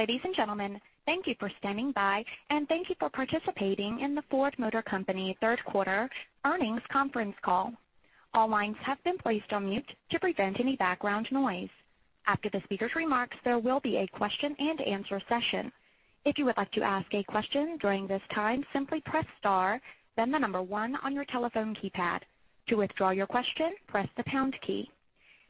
Ladies and gentlemen, thank you for standing by and thank you for participating in the Ford Motor Company third quarter earnings conference call. All lines have been placed on mute to prevent any background noise. After the speaker's remarks, there will be a question-and-answer session. If you would like to ask a question during this time, simply press star, then the number one on your telephone keypad. To withdraw your question, press the pound key.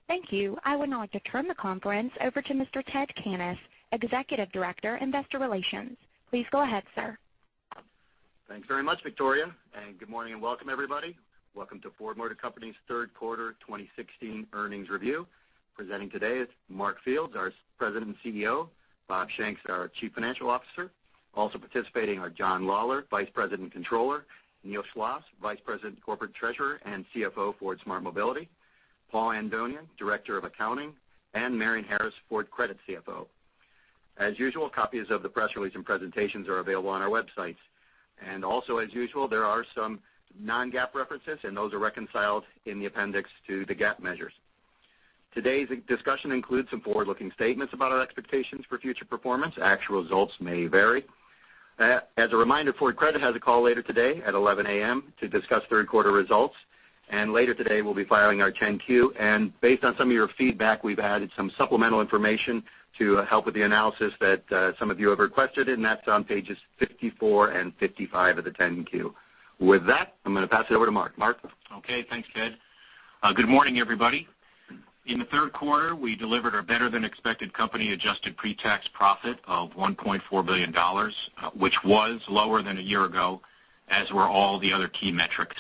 Thank you. I would now like to turn the conference over to Mr. Ted Cannis, Executive Director, Investor Relations. Please go ahead, sir. Thanks very much, Victoria. Good morning and welcome, everybody. Welcome to Ford Motor Company's third quarter 2016 earnings review. Presenting today is Mark Fields, our President and CEO, Bob Shanks, our Chief Financial Officer. Also participating are John Lawler, Vice President and Controller, Neil Schloss, Vice President, Corporate Treasurer and CFO, Ford Smart Mobility, Paul Andonian, Director of Accounting, and Marian Harris, Ford Credit CFO. As usual, copies of the press release and presentations are available on our websites. Also, as usual, there are some non-GAAP references, and those are reconciled in the appendix to the GAAP measures. Today's discussion includes some forward-looking statements about our expectations for future performance. Actual results may vary. As a reminder, Ford Credit has a call later today at 11:00 A.M. to discuss third quarter results. Later today, we'll be filing our 10-Q. Based on some of your feedback, we've added some supplemental information to help with the analysis that some of you have requested, and that's on pages 54 and 55 of the 10-Q. With that, I'm going to pass it over to Mark. Mark? Okay. Thanks, Ted. Good morning, everybody. In the third quarter, we delivered a better than expected company-adjusted pre-tax profit of $1.4 billion, which was lower than a year ago, as were all the other key metrics.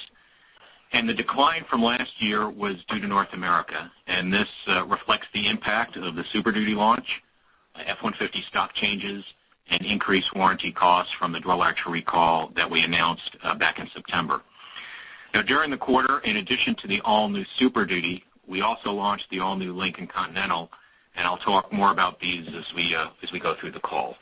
The decline from last year was due to North America, and this reflects the impact of the Super Duty launch, F-150 stock changes, and increased warranty costs from the door latch recall that we announced back in September. Now, during the quarter, in addition to the all-new Super Duty, we also launched the all-new Lincoln Continental, and I'll talk more about these as we go through the call.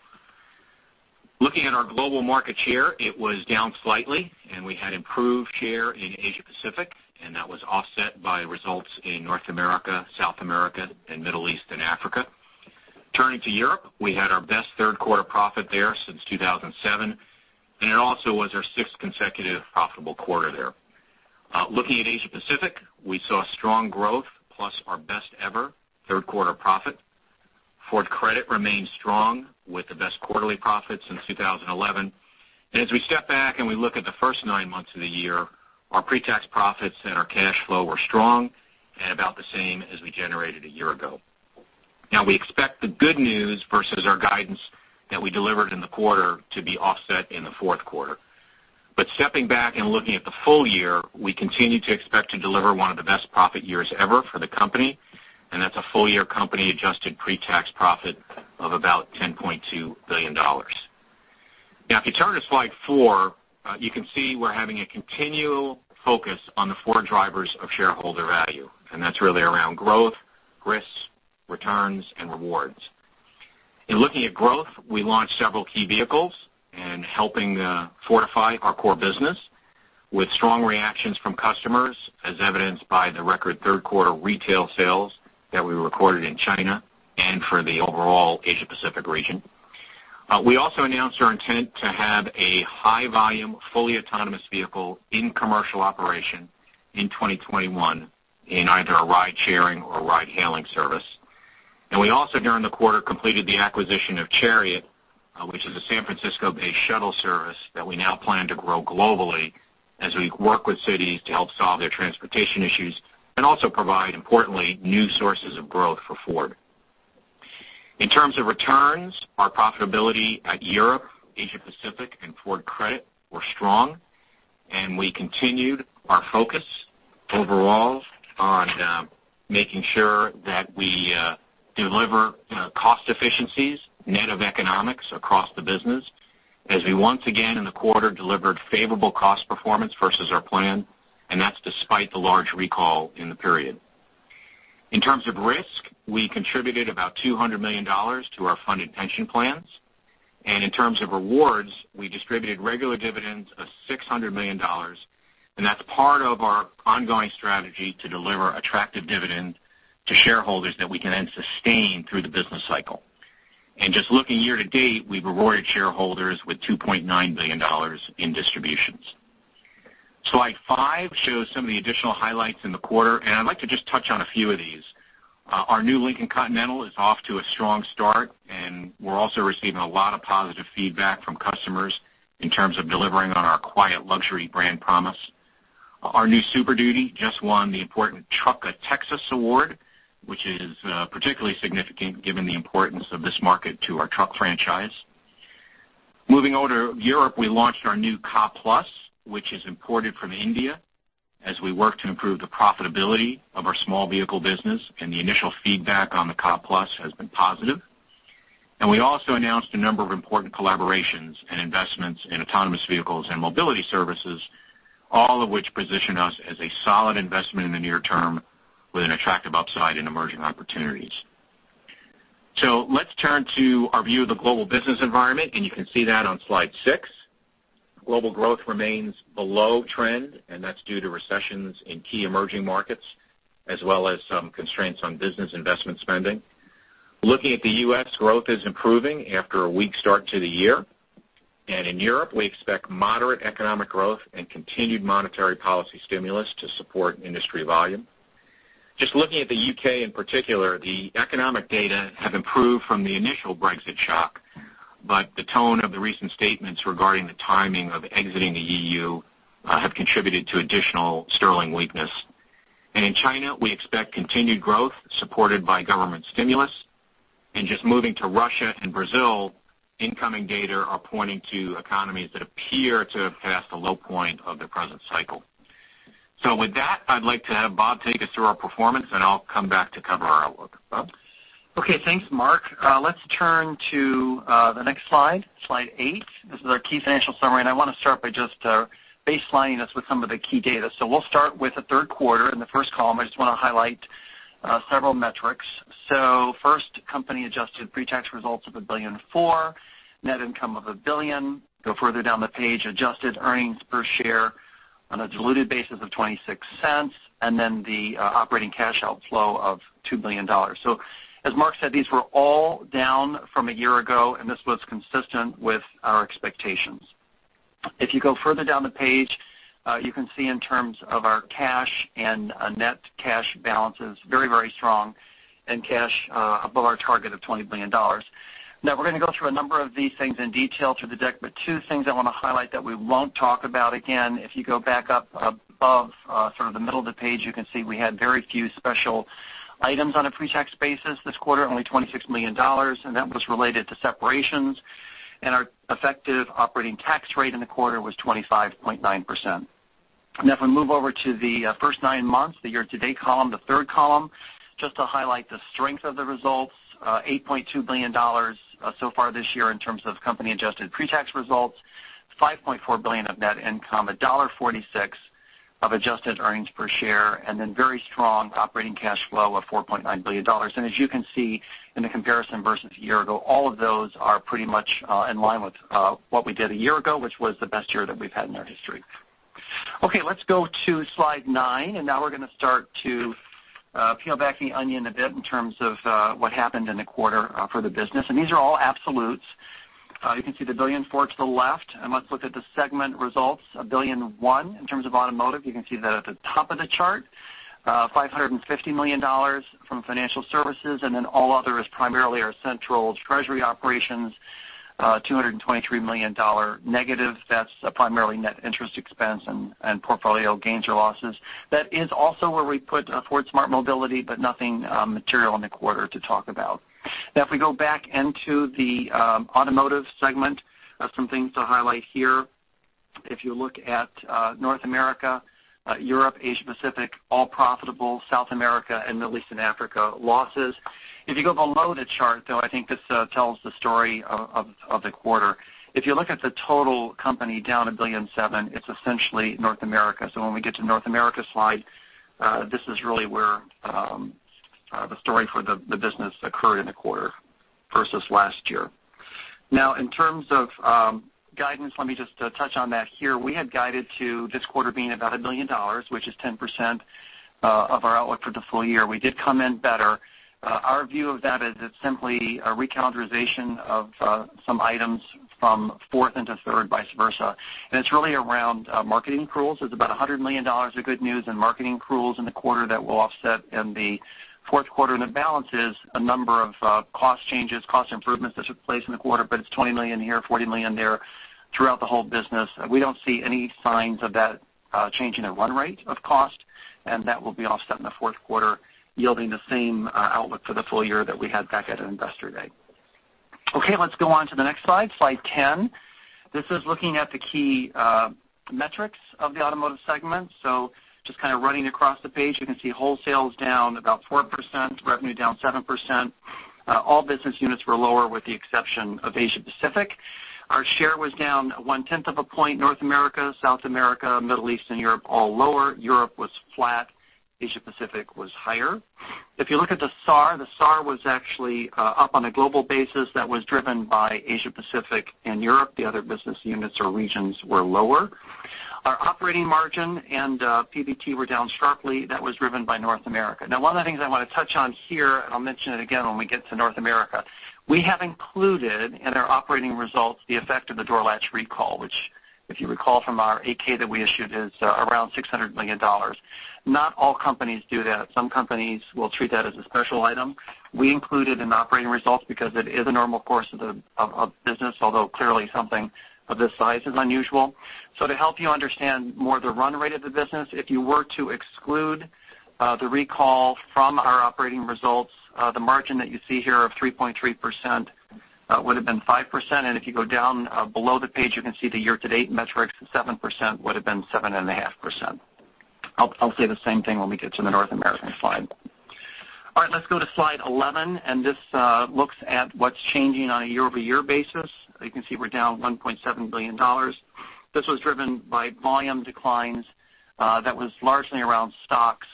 Looking at our global market share, it was down slightly, and we had improved share in Asia Pacific, and that was offset by results in North America, South America, and Middle East and Africa. Turning to Europe, we had our best third quarter profit there since 2007, it also was our sixth consecutive profitable quarter there. Looking at Asia Pacific, we saw strong growth plus our best ever third quarter profit. Ford Credit remains strong with the best quarterly profit since 2011. As we step back and we look at the first nine months of the year, our pre-tax profits and our cash flow were strong and about the same as we generated a year ago. We expect the good news versus our guidance that we delivered in the quarter to be offset in the fourth quarter. Stepping back and looking at the full year, we continue to expect to deliver one of the best profit years ever for the company, and that's a full-year company-adjusted pre-tax profit of about $10.2 billion. If you turn to slide four, you can see we're having a continual focus on the four drivers of shareholder value, that's really around growth, risks, returns, and rewards. In looking at growth, we launched several key vehicles and helping fortify our core business with strong reactions from customers, as evidenced by the record third quarter retail sales that we recorded in China and for the overall Asia Pacific region. We also announced our intent to have a high-volume, fully autonomous vehicle in commercial operation in 2021 in either a ride-sharing or ride-hailing service. We also, during the quarter, completed the acquisition of Chariot, which is a San Francisco-based shuttle service that we now plan to grow globally as we work with cities to help solve their transportation issues and also provide, importantly, new sources of growth for Ford. In terms of returns, our profitability at Europe, Asia Pacific, and Ford Credit were strong, and we continued our focus overall on making sure that we deliver cost efficiencies net of economics across the business as we once again in the quarter delivered favorable cost performance versus our plan. That's despite the large recall in the period. In terms of risk, we contributed about $200 million to our funded pension plans. In terms of rewards, we distributed regular dividends of $600 million, that's part of our ongoing strategy to deliver attractive dividend to shareholders that we can then sustain through the business cycle. Just looking year to date, we've rewarded shareholders with $2.9 billion in distributions. Slide five shows some of the additional highlights in the quarter, and I'd like to just touch on a few of these. Our new Lincoln Continental is off to a strong start, we're also receiving a lot of positive feedback from customers in terms of delivering on our quiet luxury brand promise. Our new Super Duty just won the important Truck of Texas award, which is particularly significant given the importance of this market to our truck franchise. Moving over to Europe, we launched our new Ka+, which is imported from India as we work to improve the profitability of our small vehicle business and the initial feedback on the Ka+ has been positive. We also announced a number of important collaborations and investments in autonomous vehicles and mobility services, all of which position us as a solid investment in the near term with an attractive upside in emerging opportunities. Let's turn to our view of the global business environment, you can see that on slide six. Global growth remains below trend, that's due to recessions in key emerging markets, as well as some constraints on business investment spending. Looking at the U.S., growth is improving after a weak start to the year. In Europe, we expect moderate economic growth and continued monetary policy stimulus to support industry volume. Just looking at the U.K. in particular, the economic data have improved from the initial Brexit shock. The tone of the recent statements regarding the timing of exiting the EU have contributed to additional sterling weakness. In China, we expect continued growth supported by government stimulus. Just moving to Russia and Brazil, incoming data are pointing to economies that appear to have passed the low point of the present cycle. With that, I'd like to have Bob take us through our performance and I'll come back to cover our outlook. Bob? Okay. Thanks, Mark. Let's turn to the next slide. Slide eight. This is our key financial summary, I want to start by just baselining us with some of the key data. We'll start with the third quarter in the first column. I just want to highlight several metrics. First, company-adjusted pre-tax results of $1.4 billion, net income of $1 billion. Go further down the page, adjusted earnings per share on a diluted basis of $0.26, then the operating cash outflow of $2 billion. As Mark said, these were all down from a year ago, this was consistent with our expectations. If you go further down the page, you can see in terms of our cash and net cash balances, very strong and cash above our target of $20 billion. We're going to go through a number of these things in detail through the deck, two things I want to highlight that we won't talk about again. If you go back up above sort of the middle of the page, you can see we had very few special items on a pre-tax basis this quarter, only $26 million, that was related to separations. Our effective operating tax rate in the quarter was 25.9%. If we move over to the first nine months, the year-to-date column, the third column, just to highlight the strength of the results, $8.2 billion so far this year in terms of company-adjusted pre-tax results, $5.4 billion of net income, $1.46 of adjusted earnings per share, then very strong operating cash flow of $4.9 billion. As you can see in the comparison versus a year ago, all of those are pretty much in line with what we did a year ago, which was the best year that we've had in our history. Let's go to slide 9, we're going to start to peel back the onion a bit in terms of what happened in the quarter for the business. These are all absolutes. You can see the $1.4 billion to the left, let's look at the segment results. $1.1 billion in terms of automotive, you can see that at the top of the chart. $550 million from financial services, then all other is primarily our central treasury operations, $223 million negative. That's primarily net interest expense and portfolio gains or losses. That is also where we put Ford Smart Mobility, nothing material in the quarter to talk about. If we go back into the automotive segment, some things to highlight here. If you look at North America, Europe, Asia Pacific, all profitable. South America and Middle East and Africa, losses. If you go below the chart, I think this tells the story of the quarter. If you look at the total company down $1.7 billion, it's essentially North America. When we get to North America slide, this is really where the story for the business occurred in the quarter versus last year. In terms of guidance, let me just touch on that here. We had guided to this quarter being about $1 billion, which is 10% of our outlook for the full year. We did come in better. Our view of that is it's simply a recalendarization of some items from fourth into third, vice versa. It's really around marketing accruals. There's about $100 million of good news in marketing accruals in the quarter that we'll offset in the fourth quarter. The balance is a number of cost changes, cost improvements that took place in the quarter, but it's $20 million here, $40 million there throughout the whole business. We don't see any signs of that change in the run rate of cost, that will be offset in the fourth quarter, yielding the same outlook for the full year that we had back at Investor Day. Let's go on to the next slide. Slide 10. This is looking at the key metrics of the automotive segment. Just kind of running across the page, you can see wholesale is down about 4%, revenue down 7%. All business units were lower with the exception of Asia Pacific. Our share was down one-tenth of a point. North America, South America, Middle East and Europe, all lower. Europe was flat. Asia Pacific was higher. If you look at the SAAR, the SAAR was actually up on a global basis. That was driven by Asia Pacific and Europe. The other business units or regions were lower. Our operating margin and PBT were down sharply. That was driven by North America. One of the things I want to touch on here, I'll mention it again when we get to North America. We have included in our operating results the effect of the door latch recall, which, if you recall from our 8-K that we issued, is around $600 million. Not all companies do that. Some companies will treat that as a special item. We include it in operating results because it is a normal course of business, although clearly something of this size is unusual. To help you understand more the run rate of the business, if you were to exclude the recall from our operating results, the margin that you see here of 3.3% would've been 5%. If you go down below the page, you can see the year-to-date metrics of 7% would've been 7.5%. I'll say the same thing when we get to the North American slide. Let's go to slide 11, this looks at what's changing on a year-over-year basis. You can see we're down $1.7 billion. This was driven by volume declines. That was largely around stocks,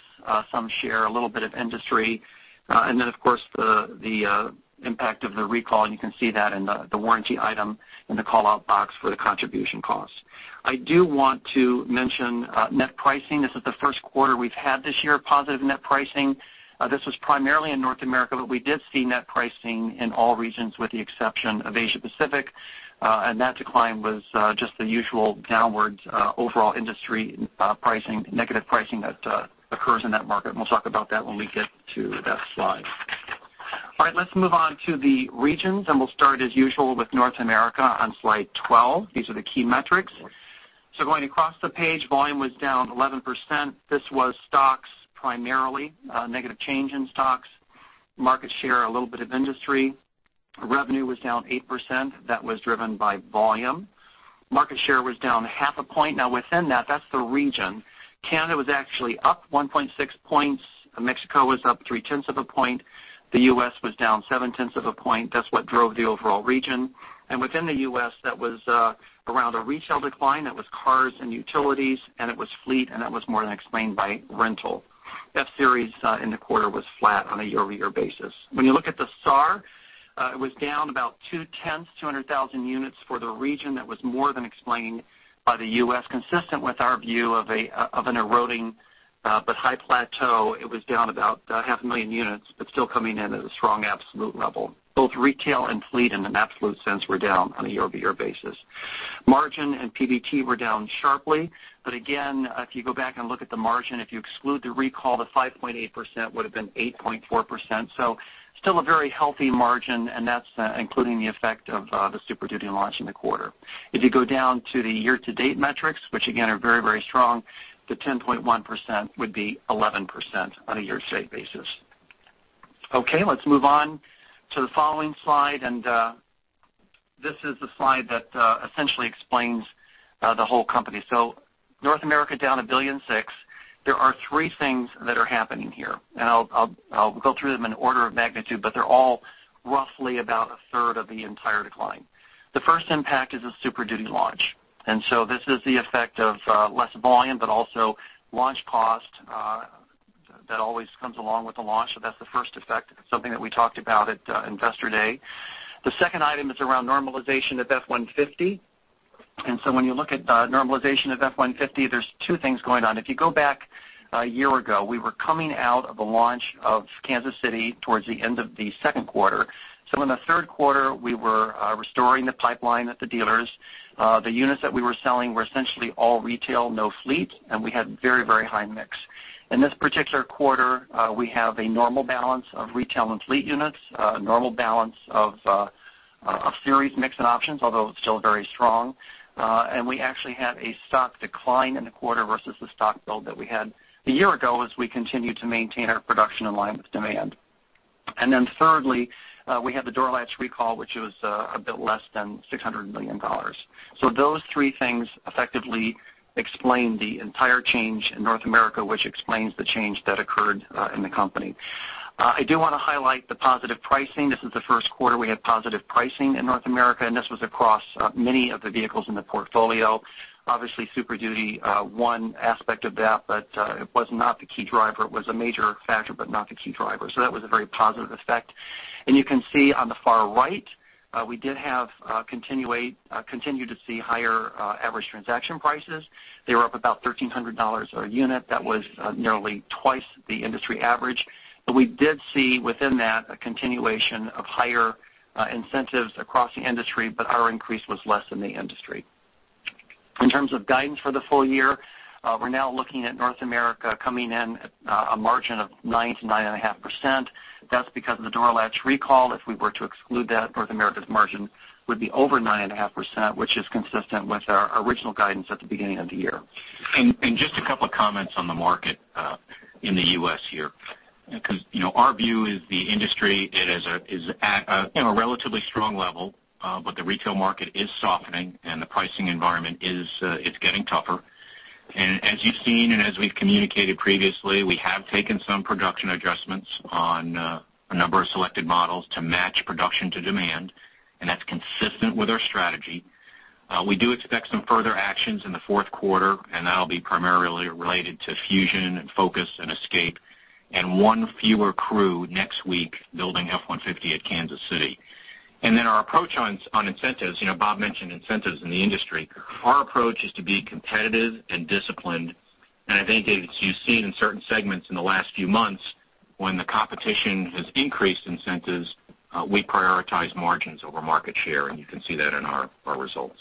some share, a little bit of industry, then, of course, the impact of the recall. You can see that in the warranty item in the call-out box for the contribution cost. I do want to mention net pricing. This is the first quarter we've had this year of positive net pricing. This was primarily in North America, but we did see net pricing in all regions with the exception of Asia Pacific. That decline was just the usual downwards overall industry negative pricing that occurs in that market. We'll talk about that when we get to that slide. Let's move on to the regions, we'll start as usual with North America on slide 12. These are the key metrics. Going across the page, volume was down 11%. This was stocks primarily, negative change in stocks. Market share, a little bit of industry. Revenue was down 8%. That was driven by volume. Market share was down half a point. Within that's the region. Canada was actually up 1.6 points. Mexico was up three-tenths of a point. The U.S. was down seven-tenths of a point. That's what drove the overall region. Within the U.S., that was around a retail decline, that was cars and utilities, it was fleet, that was more than explained by rental. F-Series in the quarter was flat on a year-over-year basis. When you look at the SAAR, it was down about two-tenths, 200,000 units for the region. That was more than explained by the U.S., consistent with our view of an eroding but high plateau. It was down about half a million units, still coming in at a strong absolute level. Both retail and fleet in an absolute sense were down on a year-over-year basis. Margin and PBT were down sharply. Again, if you go back and look at the margin, if you exclude the recall, the 5.8% would've been 8.4%. Still a very healthy margin, that's including the effect of the Super Duty launch in the quarter. If you go down to the year-to-date metrics, which again, are very strong, the 10.1% would be 11% on a year-to-date basis. Let's move on to the following slide. This is the slide that essentially explains the whole company. North America down $1.6 billion. There are three things that are happening here. I'll go through them in order of magnitude, but they're all roughly about a third of the entire decline. The first impact is the Super Duty launch. This is the effect of less volume, but also launch cost that always comes along with the launch. That's the first effect. It's something that we talked about at Investor Day. The second item is around normalization of F-150. When you look at normalization of F-150, there's two things going on. If you go back a year ago, we were coming out of the launch of Kansas City towards the end of the second quarter. In the third quarter, we were restoring the pipeline at the dealers. The units that we were selling were essentially all retail, no fleet, and we had very high mix. In this particular quarter, we have a normal balance of retail and fleet units, a normal balance of series mix and options, although it's still very strong. We actually had a stock decline in the quarter versus the stock build that we had a year ago as we continued to maintain our production in line with demand. Thirdly, we had the door latch recall, which was a bit less than $600 million. Those three things effectively explain the entire change in North America, which explains the change that occurred in the company. I do want to highlight the positive pricing. This is the first quarter we had positive pricing in North America, and this was across many of the vehicles in the portfolio. Obviously, Super Duty one aspect of that, but it was not the key driver. It was a major factor, but not the key driver. That was a very positive effect. You can see on the far right, we did continue to see higher average transaction prices. They were up about $1,300 a unit. That was nearly twice the industry average. We did see within that a continuation of higher incentives across the industry, but our increase was less than the industry. In terms of guidance for the full year, we're now looking at North America coming in at a margin of 9%-9.5%. That's because of the door latch recall. If we were to exclude that, North America's margin would be over 9.5%, which is consistent with our original guidance at the beginning of the year. Just a couple of comments on the market in the U.S. here, because our view is the industry is at a relatively strong level. The retail market is softening, and the pricing environment is getting tougher. As you've seen and as we've communicated previously, we have taken some production adjustments on a number of selected models to match production to demand, and that's consistent with our strategy. We do expect some further actions in the fourth quarter, and that'll be primarily related to Fusion and Focus and Escape and one fewer crew next week building F-150 at Kansas City. Our approach on incentives, Bob mentioned incentives in the industry. Our approach is to be competitive and disciplined. David, you've seen in certain segments in the last few months when the competition has increased incentives, we prioritize margins over market share, and you can see that in our results.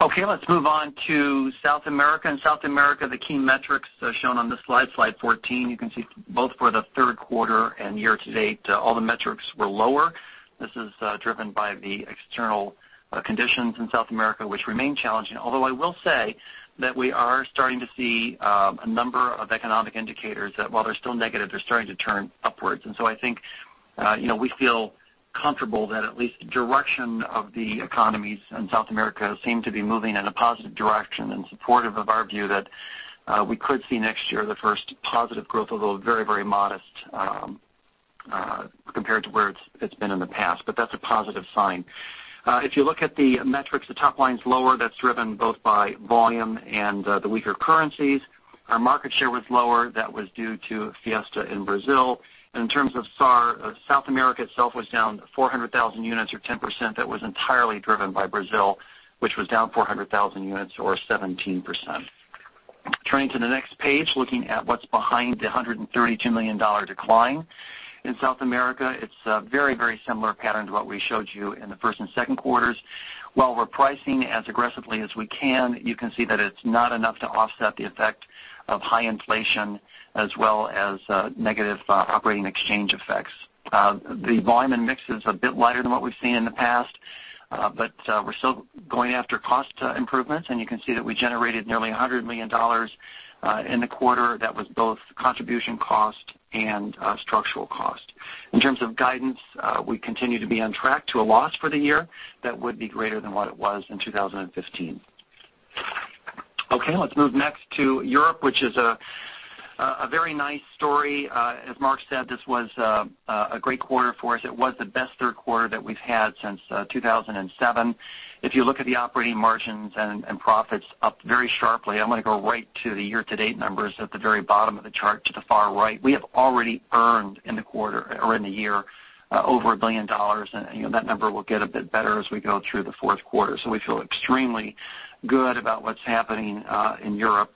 Let's move on to South America. In South America, the key metrics are shown on this slide 14. You can see both for the third quarter and year to date, all the metrics were lower. This is driven by the external conditions in South America, which remain challenging. I will say that we are starting to see a number of economic indicators that while they're still negative, they're starting to turn upwards. I think we feel comfortable that at least the direction of the economies in South America seem to be moving in a positive direction and supportive of our view that we could see next year the first positive growth, although very modest compared to where it's been in the past, but that's a positive sign. If you look at the metrics, the top line's lower. That's driven both by volume and the weaker currencies. Our market share was lower. That was due to Fiesta in Brazil. In terms of SAAR, South America itself was down 400,000 units or 10%. That was entirely driven by Brazil, which was down 400,000 units or 17%. Turning to the next page, looking at what's behind the $132 million decline in South America. It's a very similar pattern to what we showed you in the first and second quarters. While we're pricing as aggressively as we can, you can see that it's not enough to offset the effect of high inflation as well as negative operating exchange effects. The volume and mix is a bit lighter than what we've seen in the past, but we're still going after cost improvements, and you can see that we generated nearly $100 million in the quarter. That was both contribution cost and structural cost. In terms of guidance, we continue to be on track to a loss for the year that would be greater than what it was in 2015. Let's move next to Europe, which is a very nice story. As Mark said, this was a great quarter for us. It was the best third quarter that we've had since 2007. If you look at the operating margins and profits up very sharply, I'm going to go right to the year-to-date numbers at the very bottom of the chart to the far right. We have already earned in the year over $1 billion, and that number will get a bit better as we go through the fourth quarter. We feel extremely good about what's happening in Europe.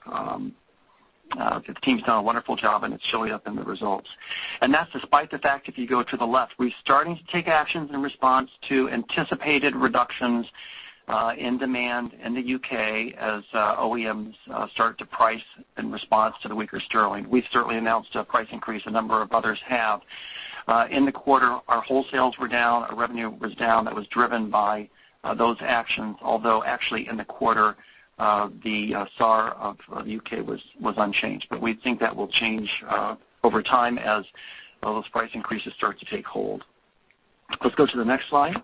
The team's done a wonderful job, and it's showing up in the results. That's despite the fact, if you go to the left, we're starting to take actions in response to anticipated reductions in demand in the U.K. as OEMs start to price in response to the weaker sterling. We've certainly announced a price increase, a number of others have. In the quarter, our wholesales were down, our revenue was down. That was driven by those actions. Although, actually in the quarter, the SAAR of the U.K. was unchanged. We think that will change over time as those price increases start to take hold. Let's go to the next slide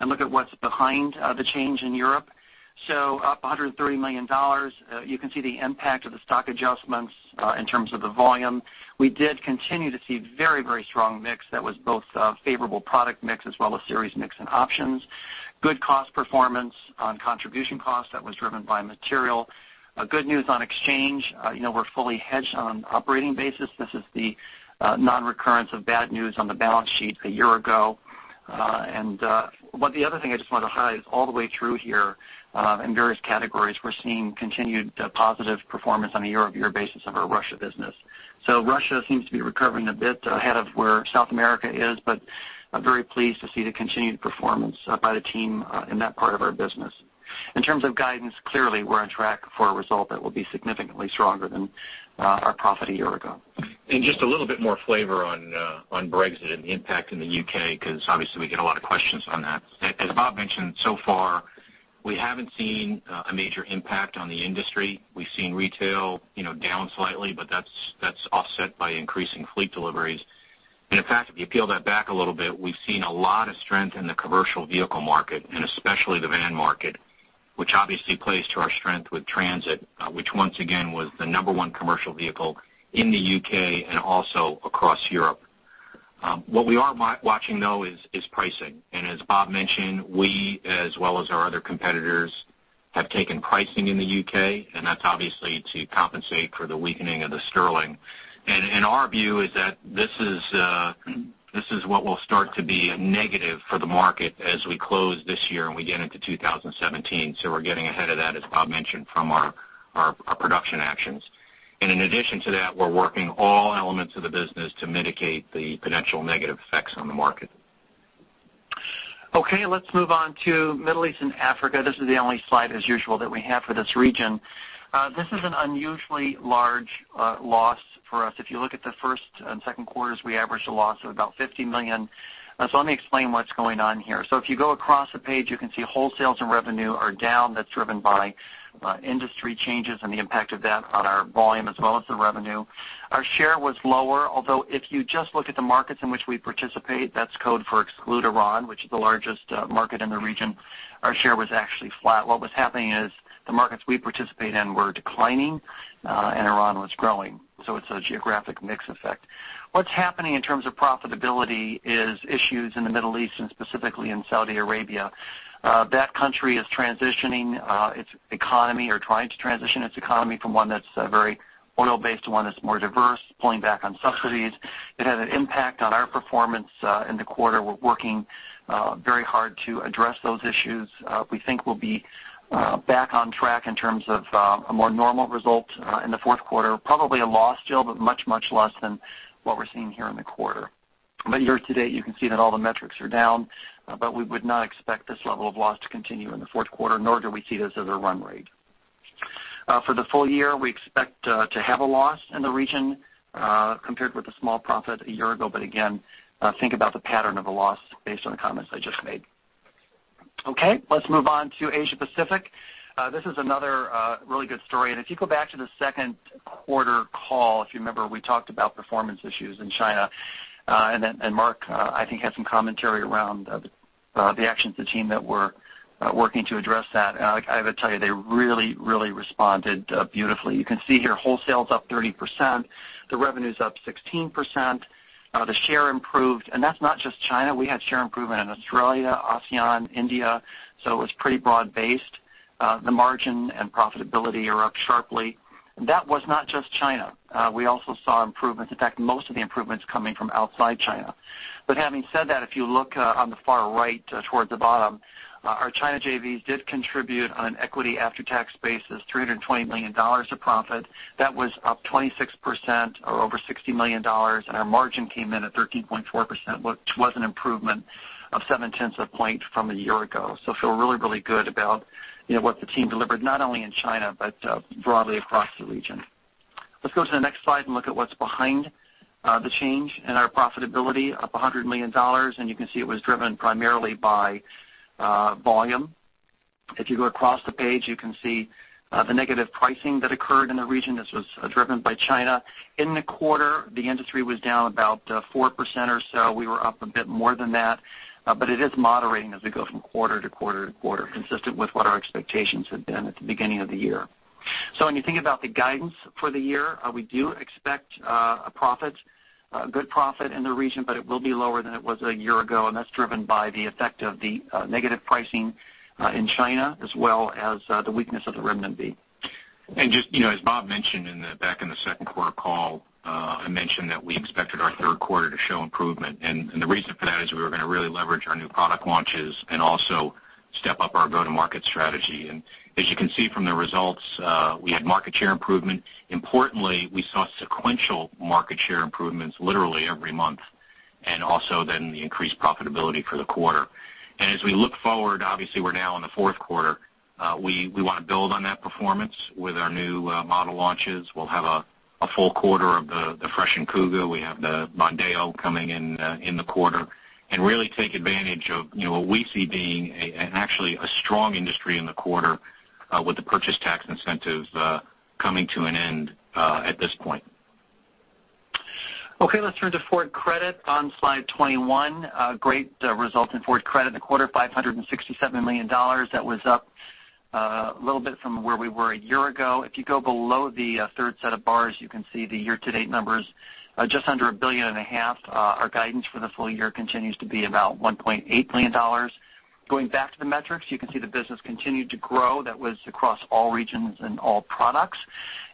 and look at what's behind the change in Europe. Up $130 million. You can see the impact of the stock adjustments in terms of the volume. We did continue to see very strong mix that was both favorable product mix as well as series mix and options. Good cost performance on contribution cost that was driven by material. Good news on exchange. We're fully hedged on an operating basis. This is the non-recurrence of bad news on the balance sheet a year ago. The other thing I just want to highlight is all the way through here in various categories, we're seeing continued positive performance on a year-over-year basis of our Russia business. Russia seems to be recovering a bit ahead of where South America is, I'm very pleased to see the continued performance by the team in that part of our business. In terms of guidance, clearly we're on track for a result that will be significantly stronger than our profit a year ago. Just a little bit more flavor on Brexit and the impact in the U.K., because obviously we get a lot of questions on that. As Bob mentioned, so far, we haven't seen a major impact on the industry. We've seen retail down slightly, that's offset by increasing fleet deliveries. In fact, if you peel that back a little bit, we've seen a lot of strength in the commercial vehicle market, and especially the van market, which obviously plays to our strength with Transit, which once again was the number 1 commercial vehicle in the U.K. and also across Europe. What we are watching, though, is pricing. As Bob mentioned, we, as well as our other competitors, have taken pricing in the U.K., and that's obviously to compensate for the weakening of the sterling. Our view is that this is what will start to be a negative for the market as we close this year and we get into 2017. We're getting ahead of that, as Bob mentioned, from our production actions. In addition to that, we're working all elements of the business to mitigate the potential negative effects on the market. Let's move on to Middle East and Africa. This is the only slide as usual that we have for this region. This is an unusually large loss for us. If you look at the first and second quarters, we averaged a loss of about $50 million. Let me explain what's going on here. If you go across the page, you can see wholesales and revenue are down. That's driven by industry changes and the impact of that on our volume as well as the revenue. Our share was lower, although if you just look at the markets in which we participate, that's code for exclude Iran, which is the largest market in the region. Our share was actually flat. What was happening is the markets we participate in were declining, and Iran was growing. It's a geographic mix effect. What's happening in terms of profitability is issues in the Middle East and specifically in Saudi Arabia. That country is transitioning its economy or trying to transition its economy from one that's very oil-based to one that's more diverse, pulling back on subsidies. It had an impact on our performance in the quarter. We're working very hard to address those issues. We think we'll be back on track in terms of a more normal result in the fourth quarter. Probably a loss still, but much less than what we're seeing here in the quarter. Year-to-date, you can see that all the metrics are down, but we would not expect this level of loss to continue in the fourth quarter, nor do we see this as a run rate. For the full year, we expect to have a loss in the region compared with a small profit a year ago. Again, think about the pattern of a loss based on the comments I just made. Let's move on to Asia Pacific. This is another really good story. If you go back to the second quarter call, if you remember, we talked about performance issues in China. Mark, I think, had some commentary around the actions the team that were working to address that. I have to tell you, they really, really responded beautifully. You can see here, wholesale is up 30%, the revenue's up 16%, the share improved. That's not just China. We had share improvement in Australia, ASEAN, India, so it was pretty broad-based. The margin and profitability are up sharply. That was not just China. We also saw improvements, in fact, most of the improvements coming from outside China. Having said that, if you look on the far right towards the bottom, our China JVs did contribute on an equity after-tax basis, $320 million of profit. That was up 26%, or over $60 million, and our margin came in at 13.4%, which was an improvement of seven-tenths of point from a year ago. Feel really, really good about what the team delivered, not only in China but broadly across the region. Let's go to the next slide and look at what's behind the change in our profitability. Up $100 million. You can see it was driven primarily by volume. If you go across the page, you can see the negative pricing that occurred in the region. This was driven by China. In the quarter, the industry was down about 4% or so. We were up a bit more than that, but it is moderating as we go from quarter to quarter to quarter, consistent with what our expectations had been at the beginning of the year. When you think about the guidance for the year, we do expect a good profit in the region, but it will be lower than it was a year ago, and that's driven by the effect of the negative pricing in China as well as the weakness of the Renminbi. Just as Bob mentioned back in the second quarter call, I mentioned that we expected our third quarter to show improvement. The reason for that is we were going to really leverage our new product launches and also step up our go-to-market strategy. As you can see from the results, we had market share improvement. Importantly, we saw sequential market share improvements literally every month, and also then the increased profitability for the quarter. As we look forward, obviously, we're now in the fourth quarter. We want to build on that performance with our new model launches. We'll have a full quarter of the freshened Kuga. We have the Mondeo coming in the quarter and really take advantage of what we see being actually a strong industry in the quarter with the purchase tax incentive coming to an end at this point. Let's turn to Ford Credit on slide 21. Great result in Ford Credit in the quarter, $567 million. That was up a little bit from where we were a year ago. If you go below the third set of bars, you can see the year-to-date numbers, just under a billion and a half. Our guidance for the full year continues to be about $1.8 billion. Going back to the metrics, you can see the business continued to grow. That was across all regions and all products.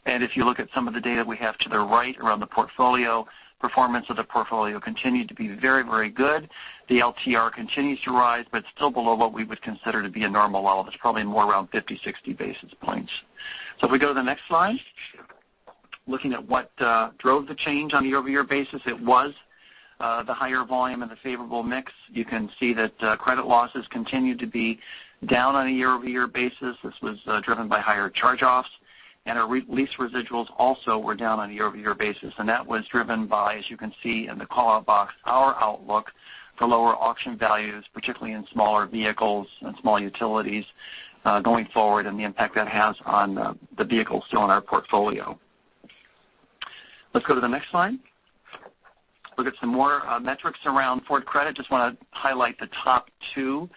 If you look at some of the data we have to the right around the portfolio, performance of the portfolio continued to be very, very good. The LTR continues to rise, but still below what we would consider to be a normal level. That's probably more around 50, 60 basis points. If we go to the next slide. Looking at what drove the change on a year-over-year basis, it was the higher volume and the favorable mix. You can see that credit losses continued to be down on a year-over-year basis. This was driven by higher charge-offs, and our lease residuals also were down on a year-over-year basis. That was driven by, as you can see in the call-out box, our outlook for lower auction values, particularly in smaller vehicles and small utilities going forward and the impact that has on the vehicles still in our portfolio. Let's go to the next slide. Look at some more metrics around Ford Credit. Just want to highlight the top two.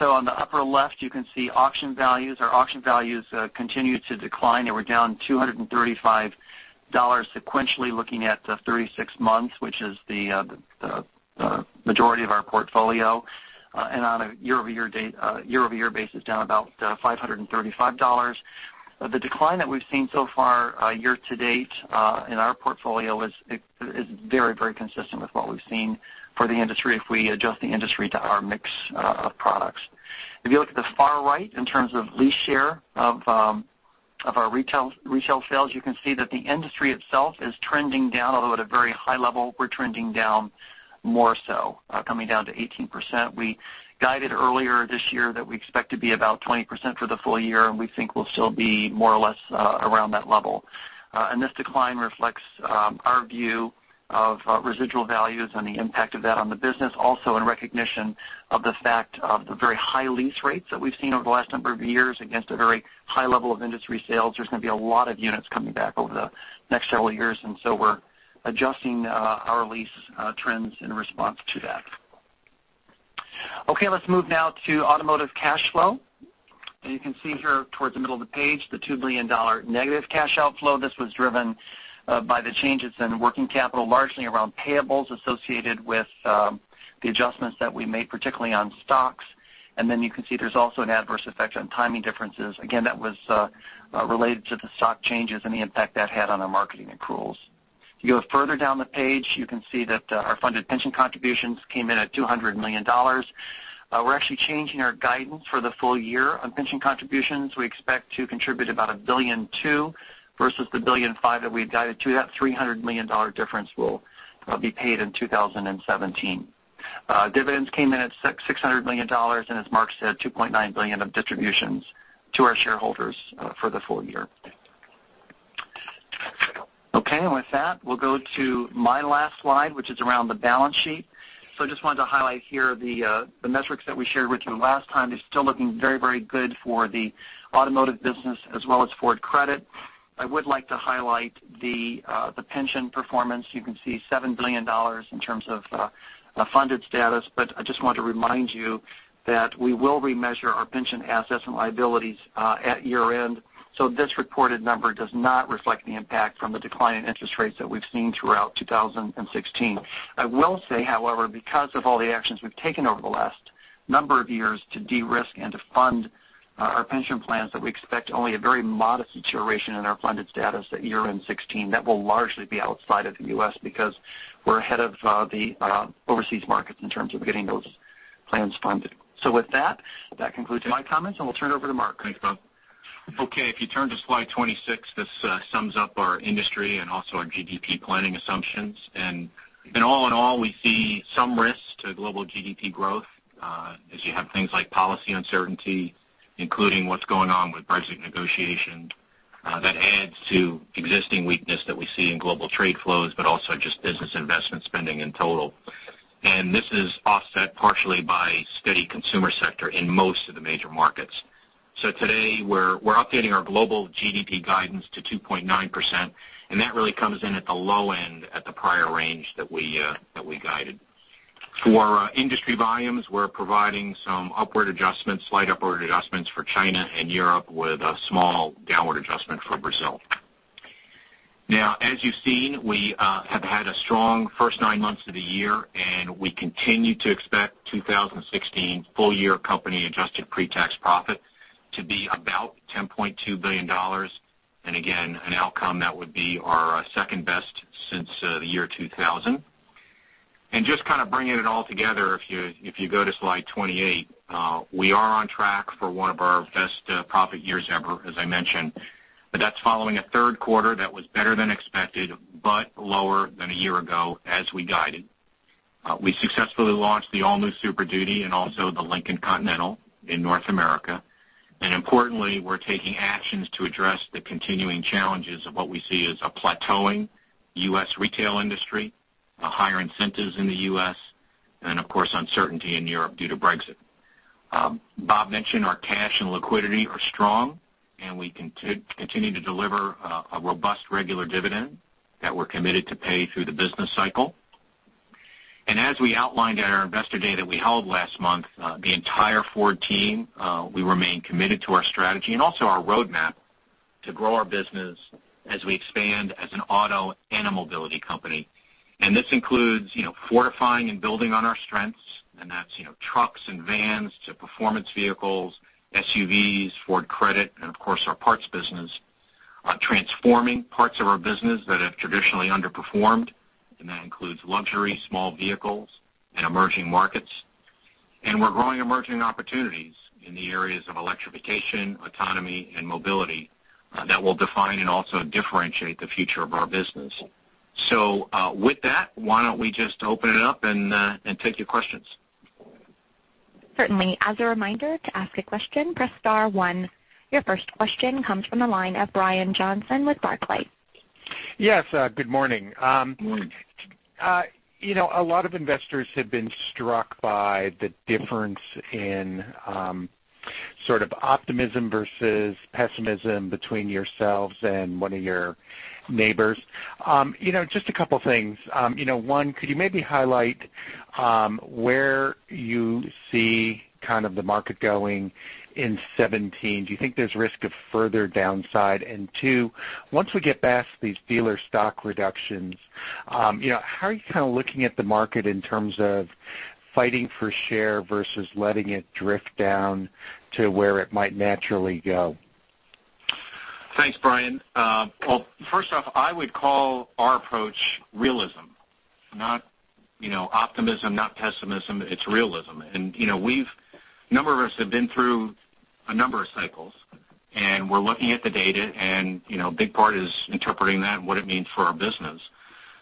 On the upper left, you can see auction values. Our auction values continued to decline. They were down $235 sequentially looking at the 36 months, which is the majority of our portfolio, and on a year-over-year basis, down about $535. The decline that we've seen so far year-to-date in our portfolio is very, very consistent with what we've seen for the industry if we adjust the industry to our mix of products. If you look at the far right in terms of lease share of our retail sales, you can see that the industry itself is trending down, although at a very high level. We're trending down more so, coming down to 18%. We guided earlier this year that we expect to be about 20% for the full year, and we think we'll still be more or less around that level. This decline reflects our view of residual values and the impact of that on the business, also in recognition of the fact of the very high lease rates that we've seen over the last number of years against a very high level of industry sales. There's going to be a lot of units coming back over the next several years, so we're adjusting our lease trends in response to that. Let's move now to automotive cash flow. You can see here towards the middle of the page, the $2 billion negative cash outflow. This was driven by the changes in working capital, largely around payables associated with the adjustments that we made, particularly on stocks. Then you can see there's also an adverse effect on timing differences. Again, that was related to the stock changes and the impact that had on our marketing accruals. If you go further down the page, you can see that our funded pension contributions came in at $200 million. We're actually changing our guidance for the full year on pension contributions. We expect to contribute about $1.2 billion, versus the $1.5 billion that we had guided to. That $300 million difference will be paid in 2017. Dividends came in at $600 million, and as Mark said, $2.9 billion of distributions to our shareholders for the full year. With that, we'll go to my last slide, which is around the balance sheet. Just wanted to highlight here the metrics that we shared with you last time is still looking very good for the automotive business as well as Ford Credit. I would like to highlight the pension performance. You can see $7 billion in terms of funded status. I just want to remind you that we will remeasure our pension assets and liabilities at year-end, so this reported number does not reflect the impact from the decline in interest rates that we've seen throughout 2016. I will say, however, because of all the actions we've taken over the last number of years to de-risk and to fund our pension plans, that we expect only a very modest deterioration in our funded status at year-end 2016 that will largely be outside of the U.S. because we're ahead of the overseas markets in terms of getting those plans funded. With that concludes my comments, and we'll turn it over to Mark. Thanks, Bob. If you turn to slide 26, this sums up our industry and also our GDP planning assumptions. All in all, we see some risk to global GDP growth as you have things like policy uncertainty, including what's going on with Brexit negotiations that adds to existing weakness that we see in global trade flows, but also just business investment spending in total. This is offset partially by steady consumer sector in most of the major markets. Today, we're updating our global GDP guidance to 2.9%, and that really comes in at the low end at the prior range that we guided. For our industry volumes, we're providing some slight upward adjustments for China and Europe with a small downward adjustment for Brazil. As you've seen, we have had a strong first nine months of the year, and we continue to expect 2016 full-year company adjusted pre-tax profit to be about $10.2 billion. Again, an outcome that would be our second-best since the year 2000. Just kind of bringing it all together, if you go to slide 28, we are on track for one of our best profit years ever, as I mentioned. That's following a third quarter that was better than expected but lower than a year ago as we guided. We successfully launched the all-new Super Duty and also the Lincoln Continental in North America. Importantly, we're taking actions to address the continuing challenges of what we see as a plateauing U.S. retail industry, higher incentives in the U.S., and of course, uncertainty in Europe due to Brexit. Bob mentioned our cash and liquidity are strong, and we continue to deliver a robust regular dividend that we're committed to pay through the business cycle. As we outlined at our Investor Day that we held last month, the entire Ford team, we remain committed to our strategy and also our roadmap to grow our business as we expand as an auto and a mobility company. This includes fortifying and building on our strengths, and that's trucks and vans to performance vehicles, SUVs, Ford Credit, and of course, our parts business. Transforming parts of our business that have traditionally underperformed, and that includes luxury, small vehicles, and emerging markets. We're growing emerging opportunities in the areas of electrification, autonomy, and mobility that will define and also differentiate the future of our business. With that, why don't we just open it up and take your questions? Certainly. As a reminder, to ask a question, press star one. Your first question comes from the line of Brian Johnson with Barclays. Yes, good morning. Morning. A lot of investors have been struck by the difference in sort of optimism versus pessimism between yourselves and one of your neighbors. Just a couple of things. One, could you maybe highlight where you see kind of the market going in 2017? Do you think there's risk of further downside? Two, once we get past these dealer stock reductions, how are you kind of looking at the market in terms of fighting for share versus letting it drift down to where it might naturally go? Thanks, Brian. First off, I would call our approach realism, not optimism, not pessimism. It's realism. A number of us have been through a number of cycles, and we're looking at the data and a big part is interpreting that and what it means for our business.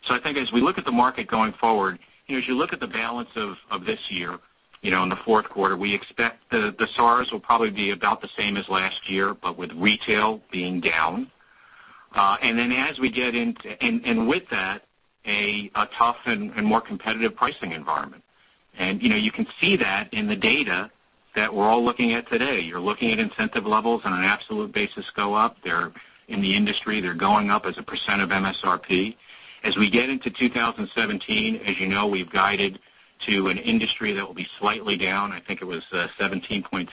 I think as we look at the market going forward, as you look at the balance of this year, in the fourth quarter, we expect the SAAR will probably be about the same as last year, but with retail being down. With that, a tough and more competitive pricing environment. You can see that in the data that we're all looking at today. You're looking at incentive levels on an absolute basis go up. In the industry, they're going up as a % of MSRP. As we get into 2017, as you know, we've guided to an industry that will be slightly down. I think it was 17.7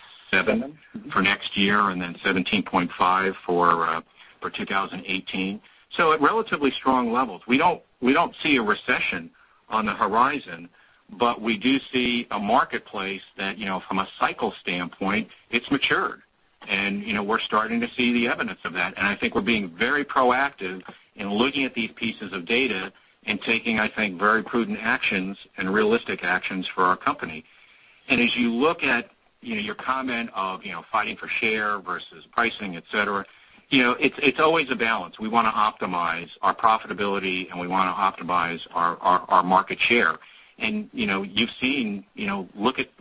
for next year and then 17.5 for 2018. At relatively strong levels. We don't see a recession on the horizon, but we do see a marketplace that, from a cycle standpoint, it's matured. We're starting to see the evidence of that. I think we're being very proactive in looking at these pieces of data and taking, I think, very prudent actions and realistic actions for our company. As you look at your comment of fighting for share versus pricing, et cetera, it's always a balance. We want to optimize our profitability and we want to optimize our market share.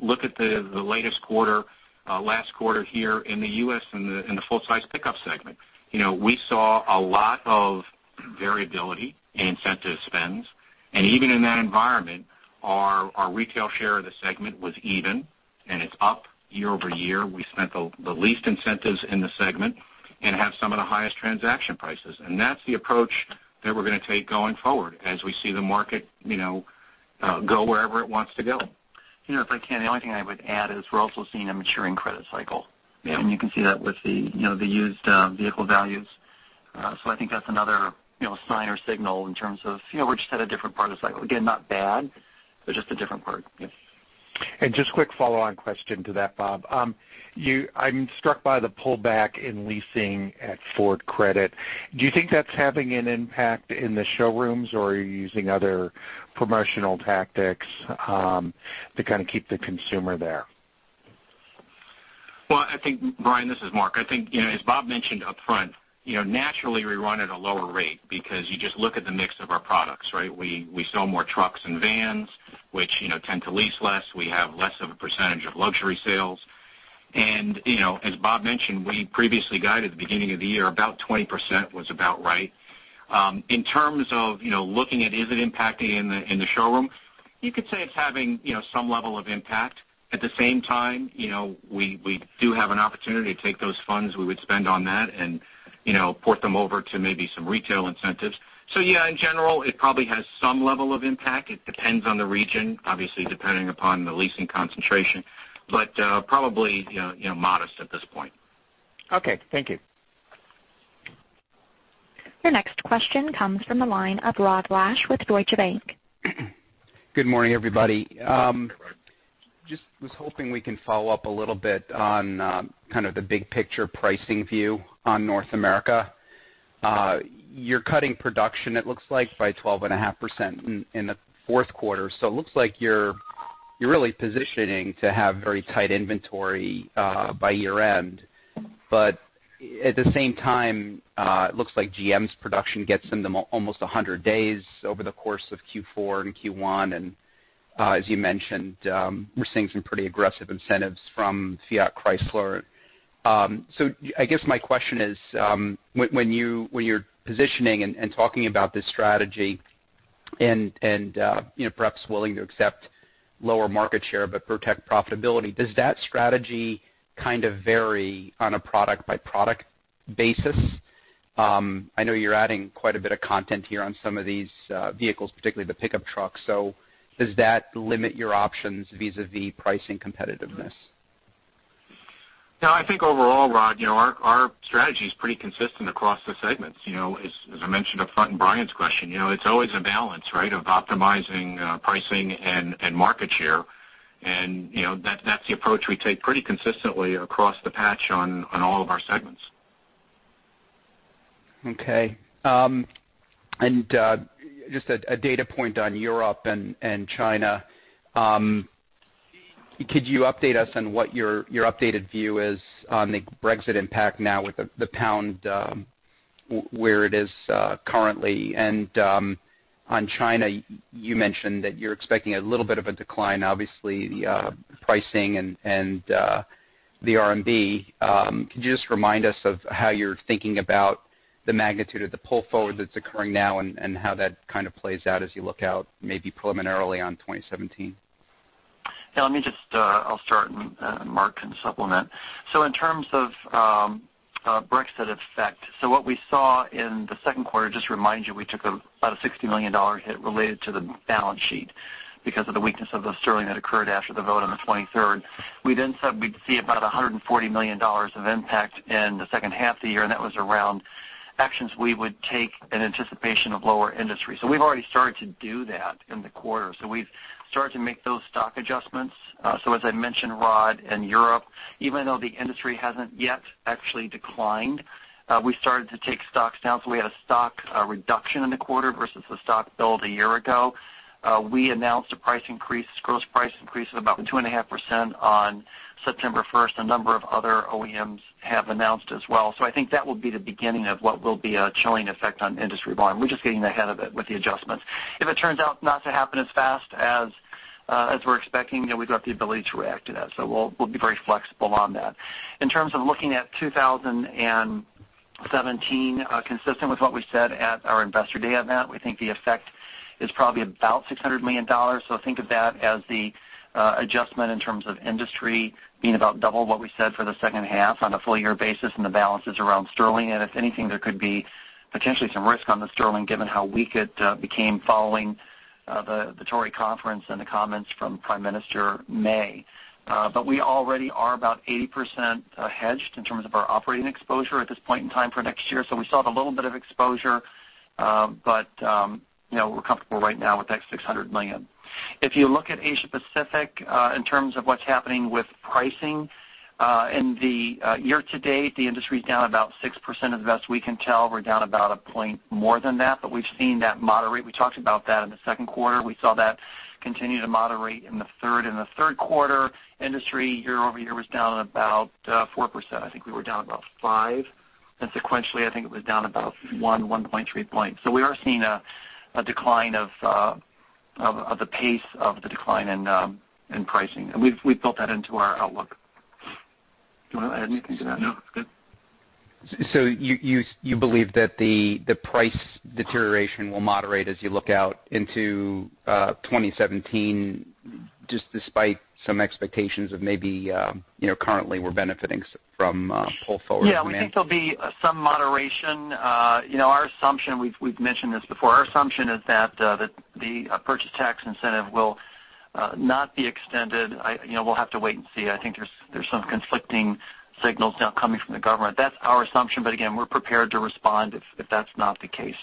Look at the latest quarter, last quarter here in the U.S. in the full-size pickup segment. We saw a lot of variability in incentive spends. Even in that environment, our retail share of the segment was even, and it's up year-over-year. We spent the least incentives in the segment and have some of the highest transaction prices. That's the approach that we're going to take going forward as we see the market go wherever it wants to go. If I can, the only thing I would add is we're also seeing a maturing credit cycle. Yeah. You can see that with the used vehicle values. I think that's another sign or signal in terms of we're just at a different part of the cycle. Again, not bad, but just a different part. Yes. Just a quick follow-on question to that, Bob. I'm struck by the pullback in leasing at Ford Credit. Do you think that's having an impact in the showrooms, or are you using other promotional tactics to kind of keep the consumer there? Well, I think, Brian, this is Mark. I think, as Bob mentioned upfront, naturally we run at a lower rate because you just look at the mix of our products, right? We sell more trucks and vans, which tend to lease less. We have less of a percentage of luxury sales. As Bob mentioned, we previously guided at the beginning of the year, about 20% was about right. In terms of looking at is it impacting in the showroom, you could say it's having some level of impact. At the same time, we do have an opportunity to take those funds we would spend on that and port them over to maybe some retail incentives. Yeah, in general, it probably has some level of impact. It depends on the region, obviously, depending upon the leasing concentration. Probably modest at this point. Okay. Thank you. Your next question comes from the line of Rod Lache with Deutsche Bank. Good morning, everybody. Good morning. Was hoping we can follow up a little bit on kind of the big picture pricing view on North America. You're cutting production, it looks like, by 12.5% in the fourth quarter. It looks like you're really positioning to have very tight inventory by year-end. At the same time, it looks like GM's production gets them to almost 100 days over the course of Q4 and Q1, and as you mentioned, we're seeing some pretty aggressive incentives from Fiat Chrysler. I guess my question is, when you're positioning and talking about this strategy and perhaps willing to accept lower market share but protect profitability, does that strategy kind of vary on a product-by-product basis? I know you're adding quite a bit of content here on some of these vehicles, particularly the pickup trucks. Does that limit your options vis-a-vis pricing competitiveness? I think overall, Rod, our strategy is pretty consistent across the segments. As I mentioned up front in Brian's question, it's always a balance, right? Of optimizing pricing and market share. That's the approach we take pretty consistently across the patch on all of our segments. Just a data point on Europe and China. Could you update us on what your updated view is on the Brexit impact now with the sterling where it is currently? On China, you mentioned that you're expecting a little bit of a decline, obviously, the pricing and the RMB. Could you just remind us of how you're thinking about the magnitude of the pull forward that's occurring now and how that kind of plays out as you look out, maybe preliminarily on 2017? I'll start, and Mark can supplement. In terms of Brexit effect, what we saw in the second quarter, just to remind you, we took about a $60 million hit related to the balance sheet because of the weakness of the sterling that occurred after the vote on the 23rd. We said we'd see about $140 million of impact in the second half of the year, and that was around actions we would take in anticipation of lower industry. We've already started to do that in the quarter. We've started to make those stock adjustments. As I mentioned, Rod, in Europe, even though the industry hasn't yet actually declined, we started to take stocks down. We had a stock reduction in the quarter versus the stock build a year ago. We announced a price increase, gross price increase of about 2.5% on September 1st. A number of other OEMs have announced as well. I think that will be the beginning of what will be a chilling effect on industry volume. We're just getting ahead of it with the adjustments. If it turns out not to happen as fast as we're expecting, we've got the ability to react to that. We'll be very flexible on that. In terms of looking at 2017, consistent with what we said at our investor day event, we think the effect is probably about $600 million. Think of that as the adjustment in terms of industry being about double what we said for the second half on a full-year basis, and the balance is around sterling. If anything, there could be potentially some risk on the sterling given how weak it became following the Tory conference and the comments from Prime Minister May. We already are about 80% hedged in terms of our operating exposure at this point in time for next year. We still have a little bit of exposure. We're comfortable right now with that $600 million. If you look at Asia Pacific in terms of what's happening with pricing, in the year-to-date, the industry is down about 6% as best we can tell. We're down about a point more than that, but we've seen that moderate. We talked about that in the second quarter. We saw that continue to moderate in the third. In the third quarter, industry year-over-year was down about 4%. I think we were down about 5%. Sequentially, I think it was down about one, 1.3 points. We are seeing a decline of the pace of the decline in pricing. We've built that into our outlook. Do you want to add anything to that? No, it's good. You believe that the price deterioration will moderate as you look out into 2017, just despite some expectations of maybe currently we're benefiting from pull forward demand? Yeah, we think there'll be some moderation. We've mentioned this before. Our assumption is that the purchase tax incentive will not be extended. We'll have to wait and see. I think there's some conflicting signals now coming from the government. That's our assumption, but again, we're prepared to respond if that's not the case.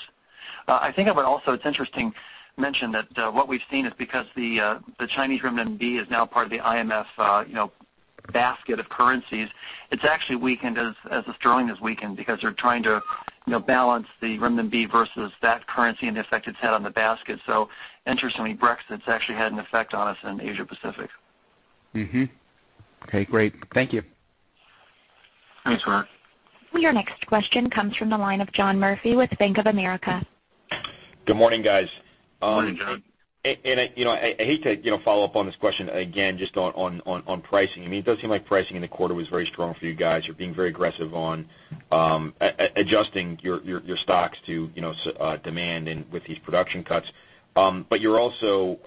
I think also it's interesting mention that what we've seen is because the Chinese Renminbi is now part of the IMF basket of currencies, it's actually weakened as the sterling has weakened because they're trying to balance the Renminbi versus that currency and the effect it's had on the basket. Interestingly, Brexit's actually had an effect on us in Asia Pacific. Mm-hmm. Okay, great. Thank you. Thanks, Mark. Your next question comes from the line of John Murphy with Bank of America. Good morning, guys. Good morning, John. I hate to follow up on this question again, just on pricing. It does seem like pricing in the quarter was very strong for you guys. You're being very aggressive on adjusting your stocks to demand and with these production cuts. Also,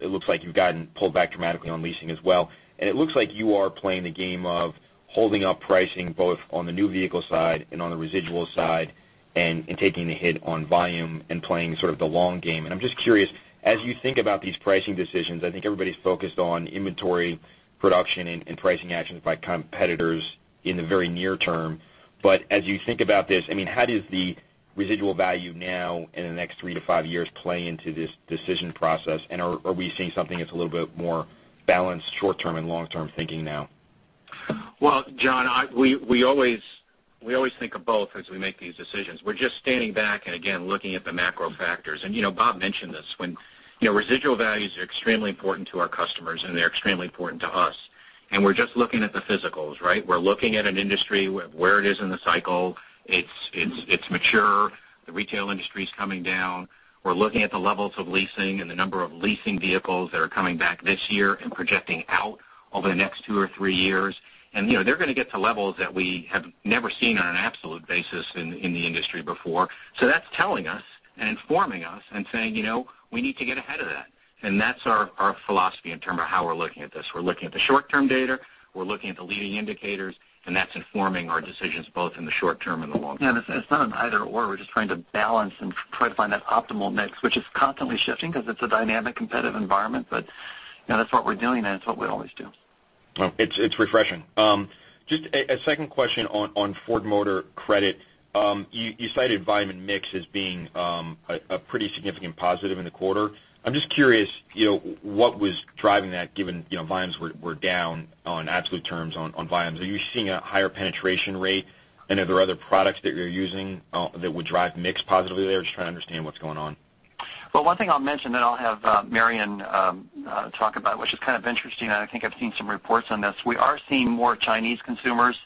it looks like you've gotten pulled back dramatically on leasing as well. It looks like you are playing the game of holding up pricing both on the new vehicle side and on the residual side and taking the hit on volume and playing sort of the long game. I'm just curious, as you think about these pricing decisions, I think everybody's focused on inventory production and pricing actions by competitors in the very near term. As you think about this, how does the residual value now in the next 3-5 years play into this decision process? Are we seeing something that's a little bit more balanced short-term and long-term thinking now? Well, John, we always think of both as we make these decisions. We're just standing back and again, looking at the macro factors. Bob mentioned this. Residual values are extremely important to our customers, and they're extremely important to us. We're just looking at the physicals. We're looking at an industry where it is in the cycle. It's mature. The retail industry's coming down. We're looking at the levels of leasing and the number of leasing vehicles that are coming back this year and projecting out over the next two or three years. They're going to get to levels that we have never seen on an absolute basis in the industry before. That's telling us and informing us and saying, we need to get ahead of that. That's our philosophy in term of how we're looking at this. We're looking at the short-term data, we're looking at the leading indicators, and that's informing our decisions both in the short-term and the long-term. Yeah, it's not an either/or. We're just trying to balance and try to find that optimal mix, which is constantly shifting because it's a dynamic, competitive environment. That's what we're doing, and that's what we always do. It's refreshing. Just a second question on Ford Motor Credit. You cited volume and mix as being a pretty significant positive in the quarter. I'm just curious, what was driving that given volumes were down on absolute terms on volumes. Are you seeing a higher penetration rate? Are there other products that you're using that would drive mix positively there? Just trying to understand what's going on. Well, one thing I'll mention, then I'll have Marion talk about it, which is kind of interesting, and I think I've seen some reports on this. We are seeing more Chinese consumers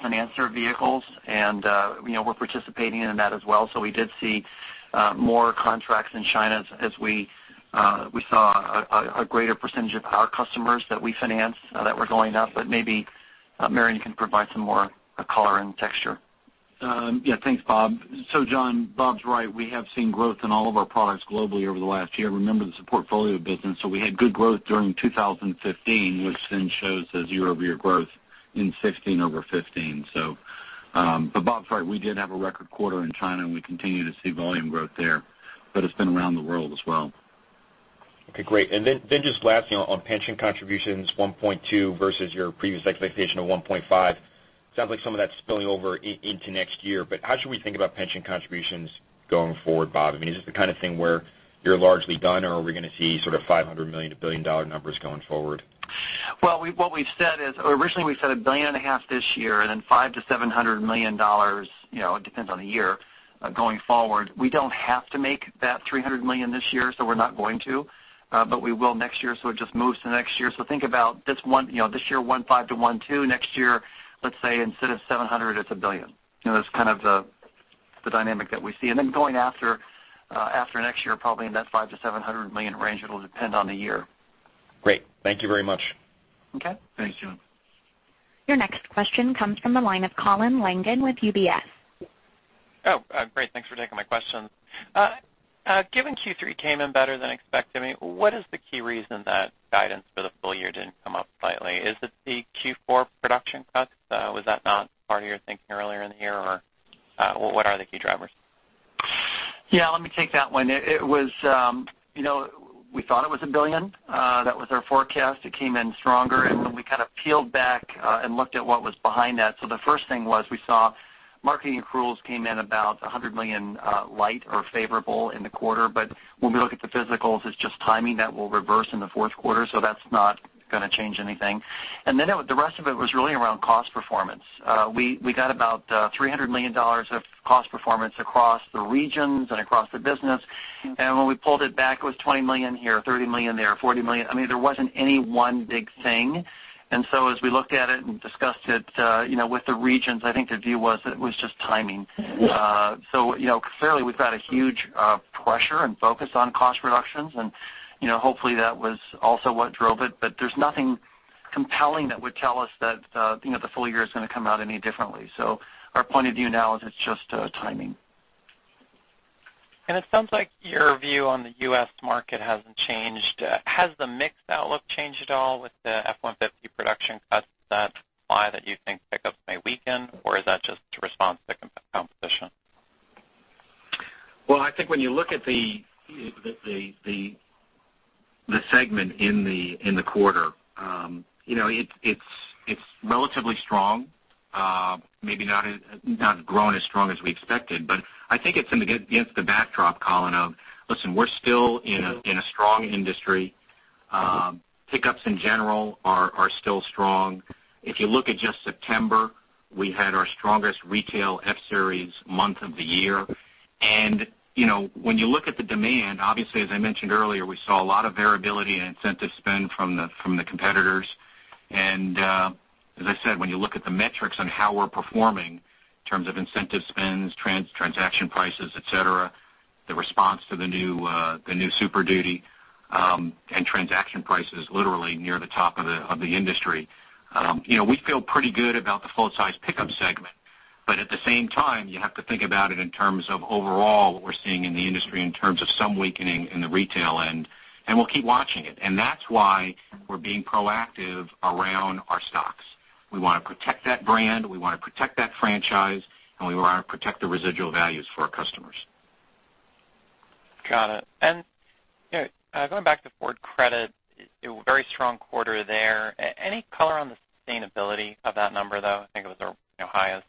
finance their vehicles, and we're participating in that as well. We did see more contracts in China as we saw a greater percentage of our customers that we financed that were going up. Maybe, Marion, you can provide some more color and texture. Thanks, Bob. John, Bob's right. We have seen growth in all of our products globally over the last year. Remember, this is a portfolio business. We had good growth during 2015, which then shows as year-over-year growth in 2016 over 2015. Bob's right, we did have a record quarter in China, and we continue to see volume growth there, but it's been around the world as well. Okay, great. Then just lastly on pension contributions, $1.2 billion versus your previous expectation of $1.5 billion. Sounds like some of that's spilling over into next year, but how should we think about pension contributions going forward, Bob? Is this the kind of thing where you're largely done, or are we going to see sort of $500 million to billion-dollar numbers going forward? Well, originally we said $1.5 billion this year and then $500 million to $700 million, it depends on the year, going forward. We don't have to make that $300 million this year. We're not going to. We will next year, it just moves to next year. Think about this year, $1.5 billion to $1.2 billion. Next year, let's say instead of $700 million, it's $1 billion. That's kind of the dynamic that we see. Then going after next year, probably in that $500 million to $700 million range. It'll depend on the year. Great. Thank you very much. Okay. Thanks, John. Your next question comes from the line of Colin Langan with UBS. Great. Thanks for taking my questions. Given Q3 came in better than expected, what is the key reason that guidance for the full year didn't come up slightly? Is it the Q4 production cuts? Was that not part of your thinking earlier in the year, or what are the key drivers? Yeah, let me take that one. We thought it was $1 billion. That was our forecast. It came in stronger. We kind of peeled back and looked at what was behind that. The first thing was we saw marketing accruals came in about $100 million light or favorable in the quarter. When we look at the physicals, it's just timing that will reverse in the fourth quarter. That's not going to change anything. The rest of it was really around cost performance. We got about $300 million of cost performance across the regions and across the business. When we pulled it back, it was $20 million here, $30 million there, $40 million. There wasn't any one big thing. As we looked at it and discussed it with the regions, I think the view was that it was just timing. Yeah. Clearly, we've got a huge pressure and focus on cost reductions and hopefully that was also what drove it. There's nothing compelling that would tell us that the full year is going to come out any differently. Our point of view now is it's just timing. It sounds like your view on the U.S. market hasn't changed. Has the mix outlook changed at all with the F-150 production cuts that imply that you think pickups may weaken, or is that just a response to competition? Well, I think when you look at the segment in the quarter, it's relatively strong. Maybe not grown as strong as we expected, but I think it's against the backdrop, Colin, of, listen, we're still in a strong industry. Pickups, in general, are still strong. If you look at just September, we had our strongest retail F-Series month of the year. When you look at the demand, obviously, as I mentioned earlier, we saw a lot of variability in incentive spend from the competitors. As I said, when you look at the metrics on how we're performing in terms of incentive spends, transaction prices, et cetera, the response to the new Super Duty, and transaction price is literally near the top of the industry. We feel pretty good about the full size pickup segment. At the same time, you have to think about it in terms of overall what we're seeing in the industry in terms of some weakening in the retail end, we'll keep watching it. That's why we're being proactive around our stocks. We want to protect that brand, we want to protect that franchise, and we want to protect the residual values for our customers. Got it. Going back to Ford Credit, a very strong quarter there. Any color on the sustainability of that number, though? I think it was their highest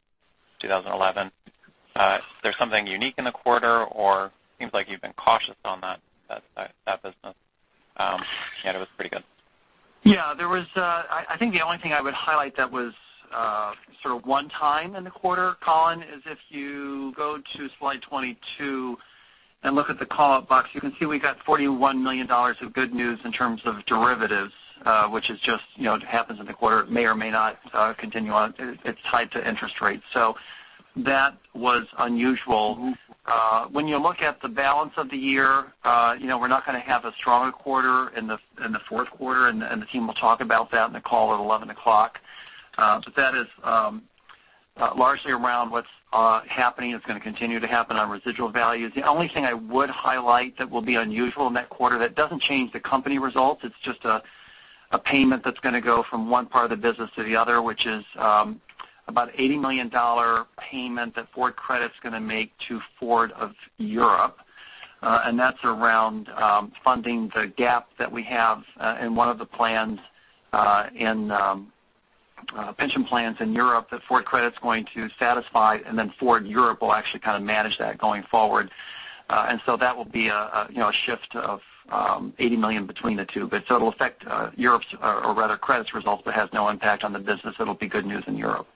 since 2011. Is there something unique in the quarter or seems like you've been cautious on that business? Yeah, that was pretty good. Yeah. I think the only thing I would highlight that was sort of one time in the quarter, Colin, is if you go to slide 22 and look at the call-out box, you can see we got $41 million of good news in terms of derivatives, which just happens in the quarter, may or may not continue on. It's tied to interest rates. That was unusual. When you look at the balance of the year, we're not going to have a stronger quarter in the fourth quarter, the team will talk about that in the call at 11 o'clock. That is largely around what's happening. It's going to continue to happen on residual values. The only thing I would highlight that will be unusual in that quarter, that doesn't change the company results, it's just a payment that's going to go from one part of the business to the other, which is about $80 million payment that Ford Credit's going to make to Ford of Europe. That's around funding the gap that we have in one of the pension plans in Europe that Ford Credit's going to satisfy, then Ford of Europe will actually kind of manage that going forward. That will be a shift of $80 million between the two. It'll affect Europe's or rather Credit's results, but has no impact on the business. It'll be good news in Europe.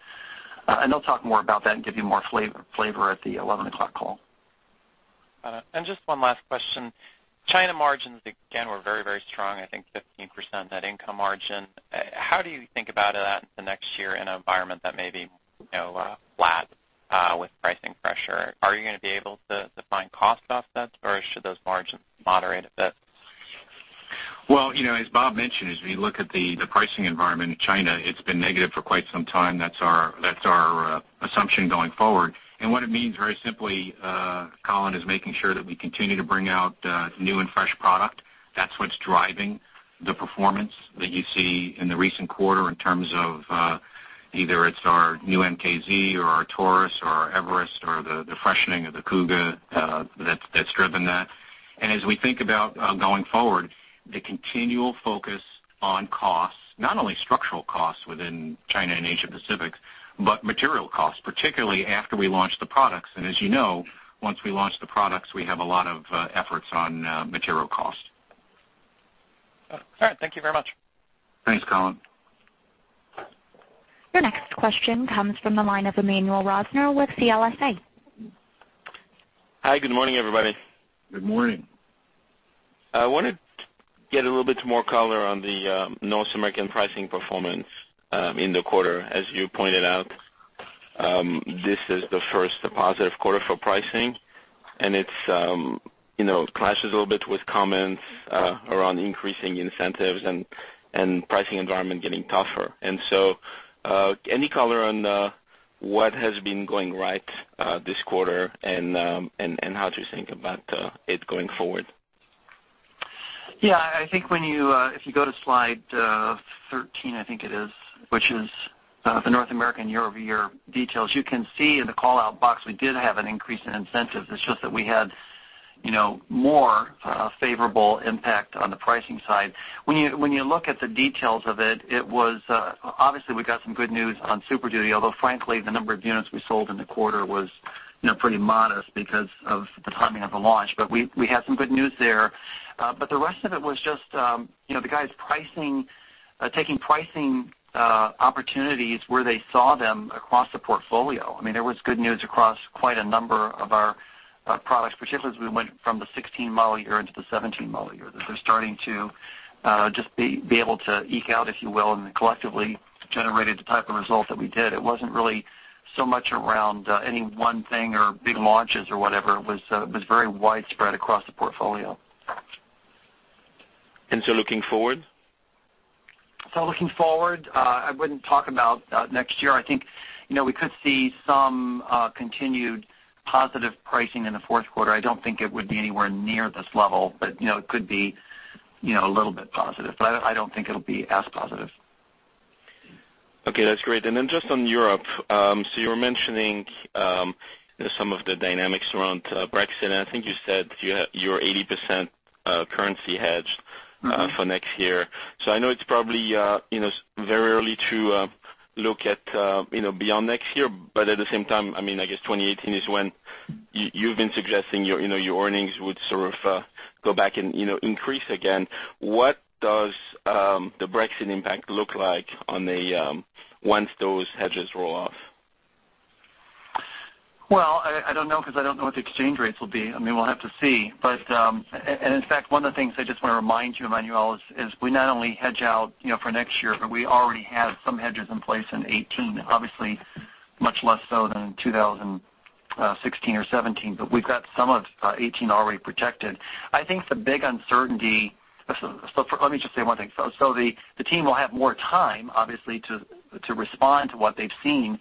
They'll talk more about that and give you more flavor at the 11 o'clock call. Got it. Just one last question. China margins, again, were very, very strong. I think 15% net income margin. How do you think about that in the next year in an environment that may be flat with pricing pressure? Are you going to be able to find cost offsets or should those margins moderate a bit? Well, as Bob mentioned, as we look at the pricing environment in China, it's been negative for quite some time. That's our assumption going forward. What it means very simply, Colin, is making sure that we continue to bring out new and fresh product. That's what's driving the performance that you see in the recent quarter in terms of either it's our new MKZ or our Taurus or our Everest or the freshening of the Kuga that's driven that. As we think about going forward, the continual focus on costs, not only structural costs within China and Asia Pacific, but material costs, particularly after we launch the products. As you know, once we launch the products, we have a lot of efforts on material cost. All right. Thank you very much. Thanks, Colin. Your next question comes from the line of Emmanuel Rosner with CLSA. Hi, good morning, everybody. Good morning. I wanted to get a little bit more color on the North American pricing performance in the quarter. As you pointed out, this is the first positive quarter for pricing, and it clashes a little bit with comments around increasing incentives and pricing environment getting tougher. Any color on what has been going right this quarter and how do you think about it going forward? Yeah, I think if you go to slide 13, I think it is, which is the North American year-over-year details. You can see in the call-out box, we did have an increase in incentives. It is just that we had more favorable impact on the pricing side. When you look at the details of it, obviously we got some good news on Super Duty, although frankly, the number of units we sold in the quarter was pretty modest because of the timing of the launch. We had some good news there. The rest of it was just the guys taking pricing opportunities where they saw them across the portfolio. There was good news across quite a number of our products, particularly as we went from the 2016 model year into the 2017 model year. That they are starting to just be able to eke out, if you will, and collectively generated the type of result that we did. It was not really so much around any one thing or big launches or whatever. It was very widespread across the portfolio. Looking forward? Looking forward, I would not talk about next year. I think we could see some continued positive pricing in the fourth quarter. I do not think it would be anywhere near this level, but it could be a little bit positive. I do not think it will be as positive. Okay, that's great. Just on Europe, you were mentioning some of the dynamics around Brexit, I think you said you're 80% currency hedged- for next year. I know it's probably very early to look at beyond next year. At the same time, I guess 2018 is when you've been suggesting your earnings would sort of go back and increase again. What does the Brexit impact look like once those hedges roll off? Well, I don't know, because I don't know what the exchange rates will be. We'll have to see. In fact, one of the things I just want to remind you, Emmanuel, is we not only hedge out for next year, but we already have some hedges in place in '18, obviously much less so than 2016 or '17. We've got some of '18 already protected. I think the big uncertainty. Let me just say one thing. The team will have more time, obviously, to respond to what they've seen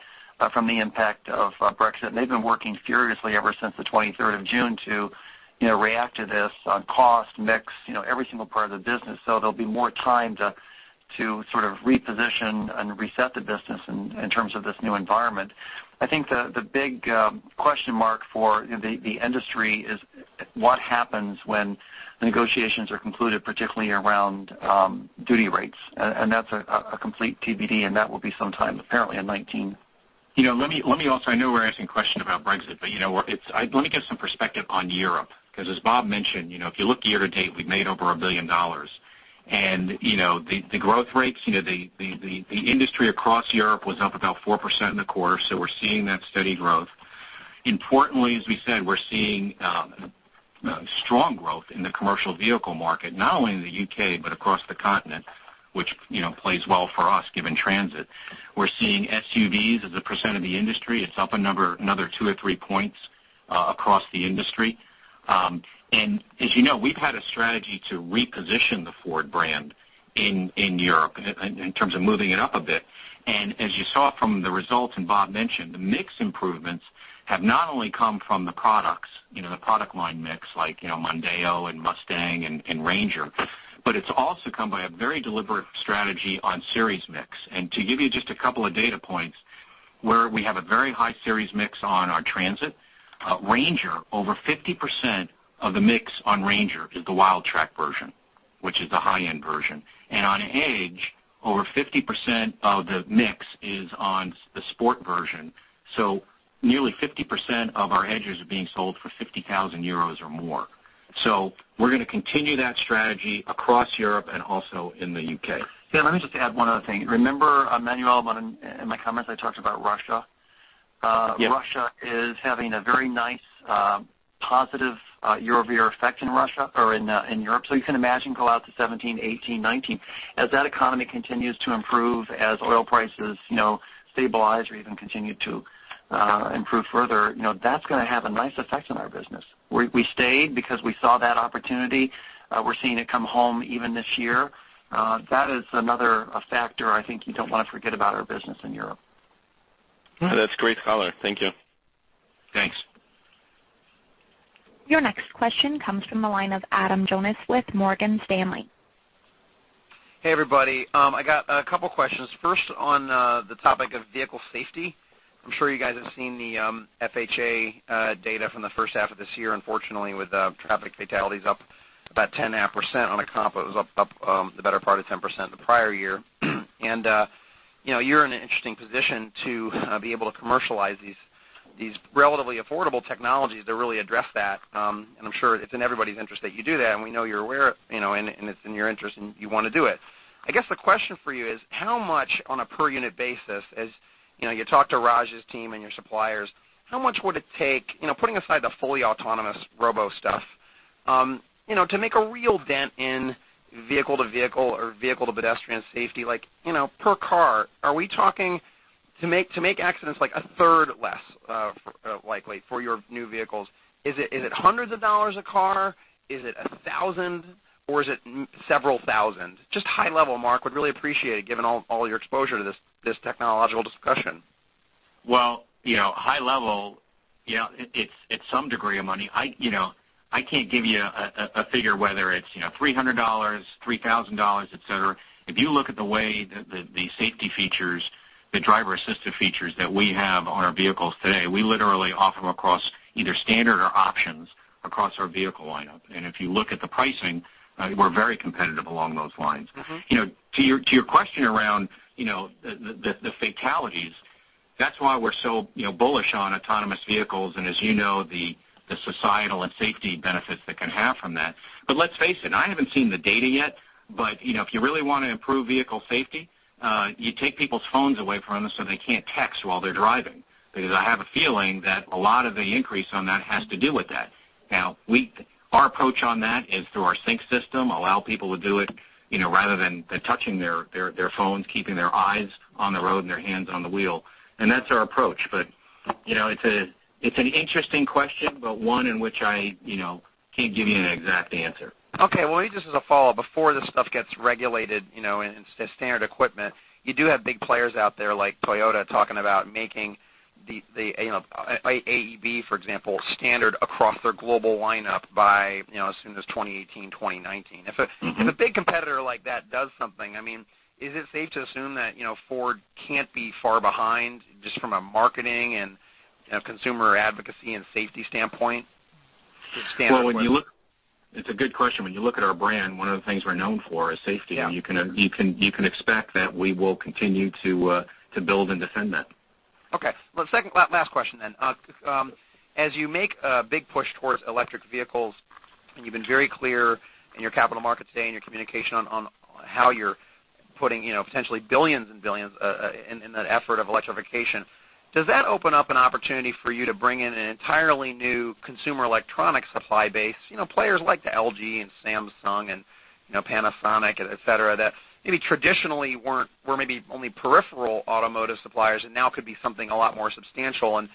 from the impact of Brexit. They've been working furiously ever since the 23rd of June to react to this on cost, mix, every single part of the business. There'll be more time to sort of reposition and reset the business in terms of this new environment. I think the big question mark for the industry is what happens when the negotiations are concluded, particularly around duty rates. That's a complete TBD, that will be sometime apparently in '19. Let me also give some perspective on Europe, because as Bob mentioned, if you look year-to-date, we've made over $1 billion. The growth rates, the industry across Europe was up about 4% in the quarter. We're seeing that steady growth. Importantly, as we said, we're seeing strong growth in the commercial vehicle market, not only in the U.K., but across the continent, which plays well for us, given Transit. We're seeing SUVs as a % of the industry. It's up another two or three points across the industry. As you know, we've had a strategy to reposition the Ford brand in Europe in terms of moving it up a bit. As you saw from the results, Bob mentioned, the mix improvements have not only come from the products, the product line mix, like Mondeo and Mustang and Ranger, but it's also come by a very deliberate strategy on series mix. To give you just a couple of data points where we have a very high series mix on our Transit. Ranger, over 50% of the mix on Ranger is the Wildtrak version, which is the high-end version. On Edge, over 50% of the mix is on the Sport version. Nearly 50% of our Edges are being sold for €50,000 or more. We're going to continue that strategy across Europe and also in the U.K. Yeah, let me just add one other thing. Remember, Emmanuel, in my comments, I talked about Russia? Yes. Russia is having a very nice positive year-over-year effect in Russia or in Europe. You can imagine go out to 2017, 2018, 2019. As that economy continues to improve, as oil prices stabilize or even continue to improve further, that's going to have a nice effect on our business. We stayed because we saw that opportunity. We're seeing it come home even this year. That is another factor I think you don't want to forget about our business in Europe. That's great color. Thank you. Thanks. Your next question comes from the line of Adam Jonas with Morgan Stanley. Hey, everybody. I got a couple of questions. First, on the topic of vehicle safety. I'm sure you guys have seen the NHTSA data from the first half of this year. Unfortunately, with traffic fatalities up about 10.5% on a comp, it was up the better part of 10% the prior year. You're in an interesting position to be able to commercialize these relatively affordable technologies that really address that. I'm sure it's in everybody's interest that you do that, and we know you're aware, and it's in your interest, and you want to do it. I guess the question for you is, how much on a per unit basis, as you talk to Raj's team and your suppliers, how much would it take, putting aside the fully autonomous robo stuff, to make a real dent in vehicle-to-vehicle or vehicle-to-pedestrian safety like per car? Are we talking to make accidents like a third less likely for your new vehicles? Is it hundreds of dollars a car? Is it a thousand or is it several thousand? Just high level, Mark, would really appreciate it, given all your exposure to this technological discussion. High level, it's some degree of money. I can't give you a figure whether it's $300, $3,000, et cetera. If you look at the way the safety features, the driver-assistive features that we have on our vehicles today, we literally offer them across either standard or options across our vehicle lineup. If you look at the pricing, we're very competitive along those lines. To your question around the fatalities, that's why we're so bullish on autonomous vehicles and as you know, the societal and safety benefits that can have from that. Let's face it, I haven't seen the data yet, if you really want to improve vehicle safety, you take people's phones away from them so they can't text while they're driving. I have a feeling that a lot of the increase on that has to do with that. Our approach on that is through our SYNC system, allow people to do it rather than touching their phones, keeping their eyes on the road and their hands on the wheel. That's our approach. It's an interesting question, but one in which I can't give you an exact answer. Maybe just as a follow-up before this stuff gets regulated as standard equipment, you do have big players out there like Toyota talking about making the AEB, for example, standard across their global lineup by as soon as 2018, 2019. If a big competitor like that does something, is it safe to assume that Ford can't be far behind just from a marketing and consumer advocacy and safety standpoint with standard equipment? It's a good question. When you look at our brand, one of the things we're known for is safety. Yeah. You can expect that we will continue to build and defend that. Okay. Last question then. As you make a big push towards electric vehicles, and you've been very clear in your capital markets today and your communication on how you're putting potentially billions and billions in that effort of electrification, does that open up an opportunity for you to bring in an entirely new consumer electronics supply base, players like the LG and Samsung and Panasonic, et cetera, that maybe traditionally were maybe only peripheral automotive suppliers and now could be something a lot more substantial and,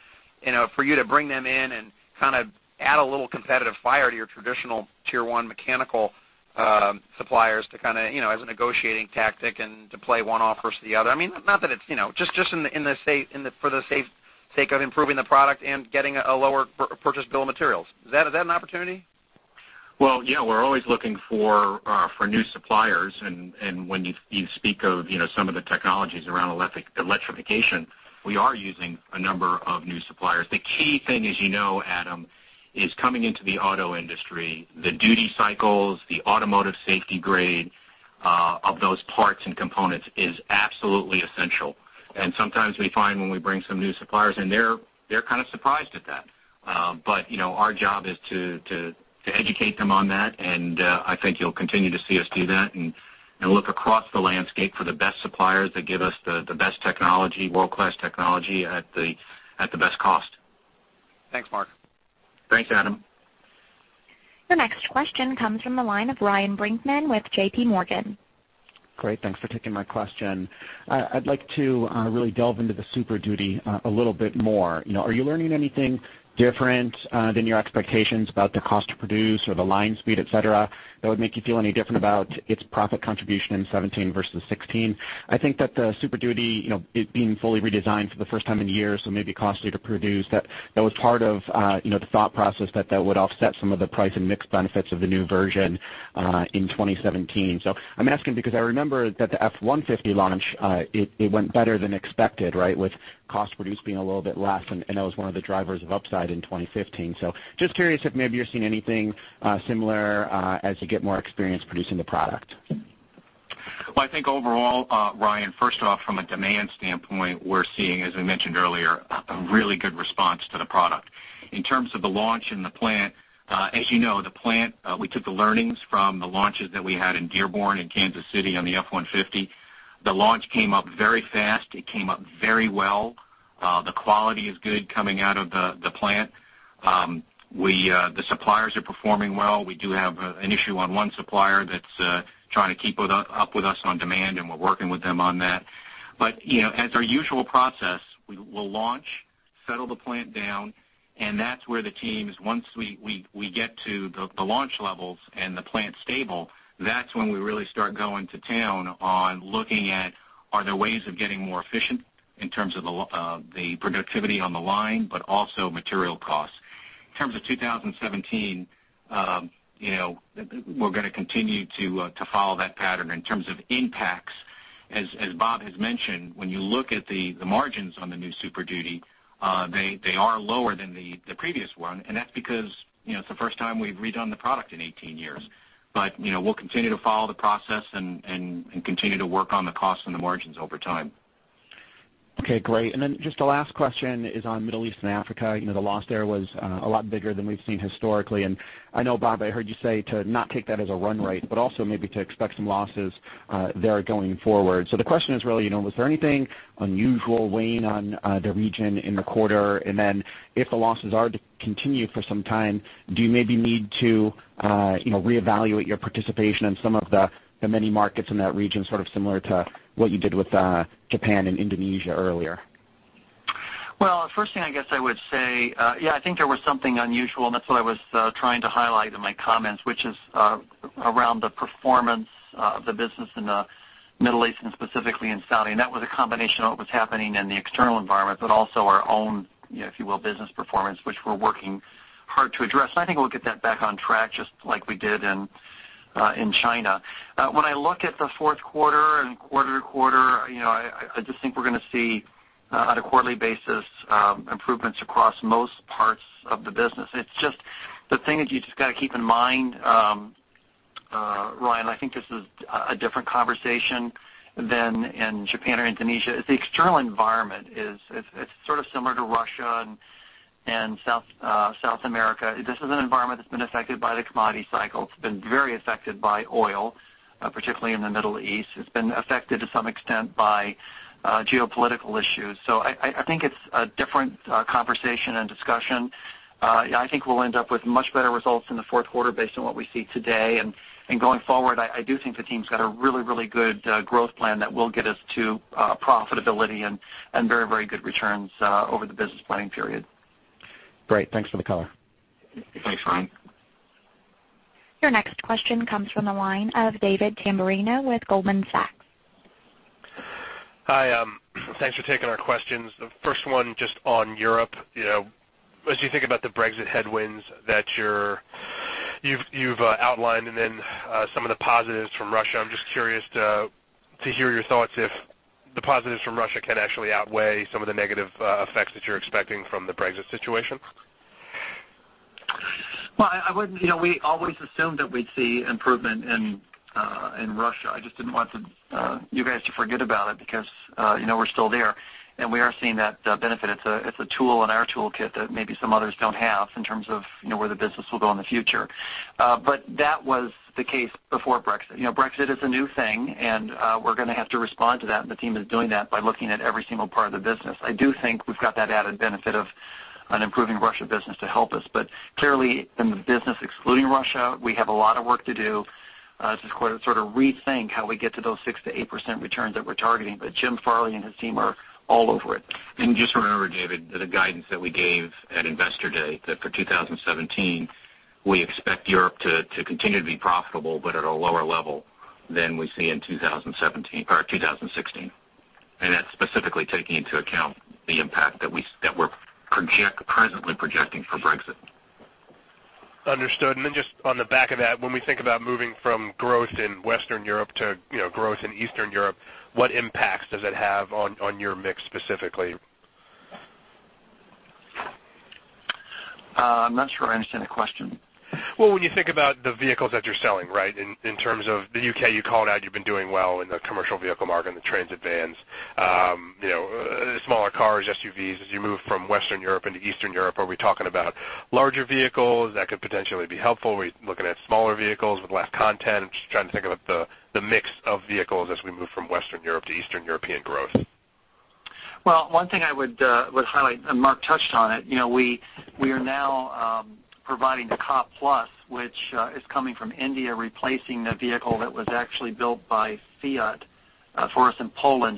for you to bring them in and add a little competitive fire to your traditional tier 1 mechanical suppliers as a negotiating tactic and to play one off versus the other. Not that it's just for the sake of improving the product and getting a lower purchase bill of materials. Is that an opportunity? Well, yeah, we're always looking for new suppliers, and when you speak of some of the technologies around electrification, we are using a number of new suppliers. The key thing as you know, Adam, is coming into the auto industry, the duty cycles, the automotive safety grade of those parts and components is absolutely essential. Sometimes we find when we bring some new suppliers in, they're kind of surprised at that. Our job is to educate them on that, and I think you'll continue to see us do that and look across the landscape for the best suppliers that give us the best technology, world-class technology at the best cost. Thanks, Mark. Thanks, Adam. The next question comes from the line of Ryan Brinkman with JP Morgan. Great. Thanks for taking my question. I'd like to really delve into the Super Duty a little bit more. Are you learning anything different than your expectations about the cost to produce or the line speed, et cetera, that would make you feel any different about its profit contribution in 2017 versus 2016? I think that the Super Duty, it being fully redesigned for the first time in years, so may be costlier to produce, that was part of the thought process that that would offset some of the price and mix benefits of the new version in 2017. I'm asking because I remember that the F-150 launch it went better than expected, right, with cost produce being a little bit less, and that was one of the drivers of upside in 2015. Just curious if maybe you're seeing anything similar as you get more experience producing the product. Well, I think overall, Ryan, first off, from a demand standpoint, we're seeing, as we mentioned earlier, a really good response to the product. In terms of the launch and the plant, as you know, the plant, we took the learnings from the launches that we had in Dearborn and Kansas City on the F-150. The launch came up very fast. It came up very well. The quality is good coming out of the plant. The suppliers are performing well. We do have an issue on one supplier that's trying to keep up with us on demand, and we're working with them on that. As our usual process, we'll launch, settle the plant down, and that's where the teams, once we get to the launch levels and the plant's stable, that's when we really start going to town on looking at are there ways of getting more efficient in terms of the productivity on the line, but also material costs. In terms of 2017, we're going to continue to follow that pattern. In terms of impacts, as Bob has mentioned, when you look at the margins on the new Super Duty, they are lower than the previous one, and that's because it's the first time we've redone the product in 18 years. We'll continue to follow the process and continue to work on the costs and the margins over time. Okay, great. Just a last question is on Middle East and Africa. The loss there was a lot bigger than we've seen historically. I know, Bob, I heard you say to not take that as a run rate, but also maybe to expect some losses there going forward. The question is really, was there anything unusual weighing on the region in the quarter? If the losses are to continue for some time, do you maybe need to reevaluate your participation in some of the many markets in that region, sort of similar to what you did with Japan and Indonesia earlier? Well, first thing I guess I would say, yeah, I think there was something unusual, and that's what I was trying to highlight in my comments, which is around the performance of the business in the Middle East and specifically in Saudi. That was a combination of what was happening in the external environment, but also our own, if you will, business performance, which we're working hard to address. I think we'll get that back on track just like we did in China. When I look at the fourth quarter and quarter to quarter, I just think we're going to see, on a quarterly basis, improvements across most parts of the business. It's just the thing that you just got to keep in mind, Ryan, I think this is a different conversation than in Japan or Indonesia, is the external environment is sort of similar to Russia and South America. This is an environment that's been affected by the commodity cycle. It's been very affected by oil, particularly in the Middle East. It's been affected to some extent by geopolitical issues. I think it's a different conversation and discussion. I think we'll end up with much better results in the fourth quarter based on what we see today. Going forward, I do think the team's got a really good growth plan that will get us to profitability and very good returns over the business planning period. Great. Thanks for the color. Thanks, Ryan. Your next question comes from the line of David Tamberrino with Goldman Sachs. Hi. Thanks for taking our questions. The first one just on Europe. As you think about the Brexit headwinds that you've outlined and then some of the positives from Russia, I'm just curious to hear your thoughts if the positives from Russia can actually outweigh some of the negative effects that you're expecting from the Brexit situation. Well, we always assumed that we'd see improvement in Russia. I just didn't want you guys to forget about it because we're still there, and we are seeing that benefit. It's a tool in our toolkit that maybe some others don't have in terms of where the business will go in the future. That was the case before Brexit. Brexit is a new thing, and we're going to have to respond to that, and the team is doing that by looking at every single part of the business. I do think we've got that added benefit of an improving Russia business to help us. Clearly in the business excluding Russia, we have a lot of work to do to sort of rethink how we get to those 6%-8% returns that we're targeting. Jim Farley and his team are all over it. Just remember, David, the guidance that we gave at Investor Day that for 2017, we expect Europe to continue to be profitable, but at a lower level than we see in 2016. That's specifically taking into account the impact that we're presently projecting for Brexit. Understood. Just on the back of that, when we think about moving from growth in Western Europe to growth in Eastern Europe, what impacts does it have on your mix specifically? I'm not sure I understand the question. Well, when you think about the vehicles that you're selling, right? In terms of the U.K., you called out you've been doing well in the commercial vehicle market and the Transit vans. Smaller cars, SUVs. As you move from Western Europe into Eastern Europe, are we talking about larger vehicles that could potentially be helpful? Are we looking at smaller vehicles with less content? I'm just trying to think about the mix of vehicles as we move from Western Europe to Eastern European growth. Well, one thing I would highlight, and Mark touched on it, we are now providing the Ka+, which is coming from India, replacing the vehicle that was actually built by Fiat for us in Poland.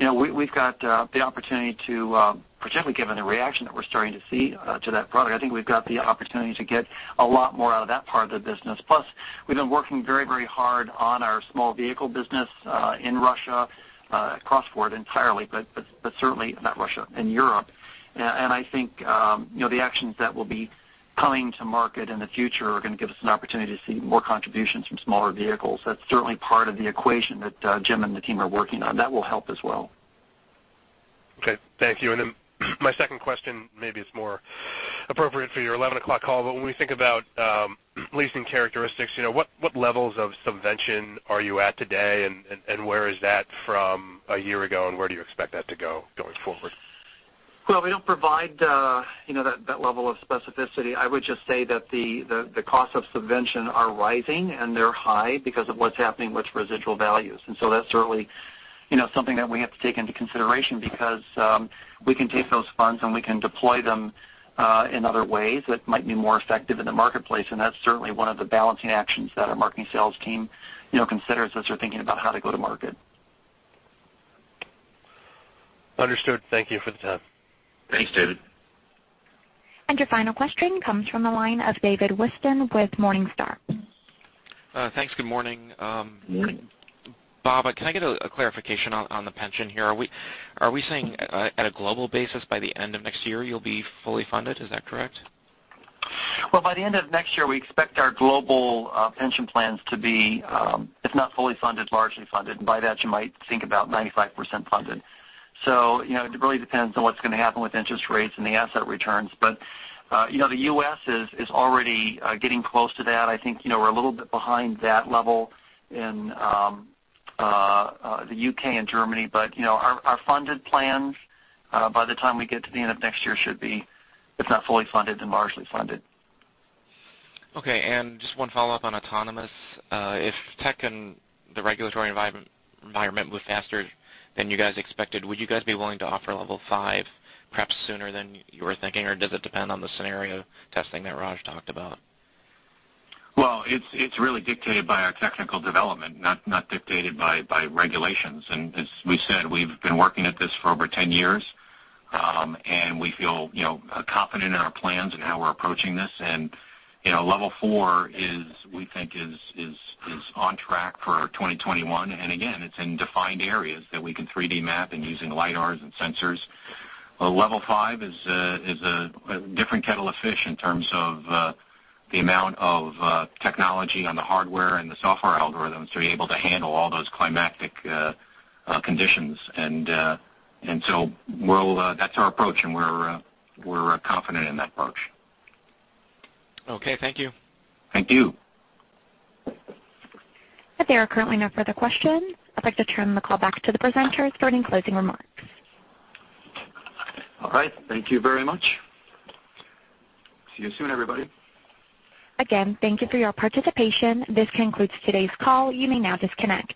We've got the opportunity to, particularly given the reaction that we're starting to see to that product, I think we've got the opportunity to get a lot more out of that part of the business. We've been working very hard on our small vehicle business in Russia across Ford entirely, but certainly not Russia, in Europe. I think the actions that will be coming to market in the future are going to give us an opportunity to see more contributions from smaller vehicles. That's certainly part of the equation that Jim and the team are working on. That will help as well. Okay. Thank you. My second question, maybe it's more appropriate for your 11 o'clock call, when we think about leasing characteristics, what levels of subvention are you at today and where is that from a year ago, and where do you expect that to go going forward? Well, we don't provide that level of specificity. I would just say that the cost of subvention are rising, and they're high because of what's happening with residual values. That's certainly something that we have to take into consideration because we can take those funds, and we can deploy them in other ways that might be more effective in the marketplace, and that's certainly one of the balancing actions that our marketing sales team considers as they're thinking about how to go to market. Understood. Thank you for the time. Thanks, David. Your final question comes from the line of David Whiston with Morningstar. Thanks. Good morning. Morning. Bob, can I get a clarification on the pension here? Are we saying at a global basis by the end of next year you'll be fully funded? Is that correct? By the end of next year, we expect our global pension plans to be, if not fully funded, largely funded. By that you might think about 95% funded. It really depends on what's going to happen with interest rates and the asset returns. The U.S. is already getting close to that. I think we're a little bit behind that level in the U.K. and Germany, but our funded plans, by the time we get to the end of next year, should be, if not fully funded, then largely funded. Okay. Just one follow-up on autonomous. If tech and the regulatory environment move faster than you guys expected, would you guys be willing to offer level 5 perhaps sooner than you were thinking? Or does it depend on the scenario testing that Raj talked about? Well, it's really dictated by our technical development, not dictated by regulations. As we said, we've been working at this for over 10 years, and we feel confident in our plans and how we're approaching this. Level 4 we think is on track for 2021. Again, it's in defined areas that we can 3D map and using LiDARs and sensors. Level 5 is a different kettle of fish in terms of the amount of technology on the hardware and the software algorithms to be able to handle all those climactic conditions. That's our approach, and we're confident in that approach. Okay. Thank you. Thank you. There are currently no further questions. I'd like to turn the call back to the presenters for any closing remarks. All right. Thank you very much. See you soon, everybody. Again, thank you for your participation. This concludes today's call. You may now disconnect.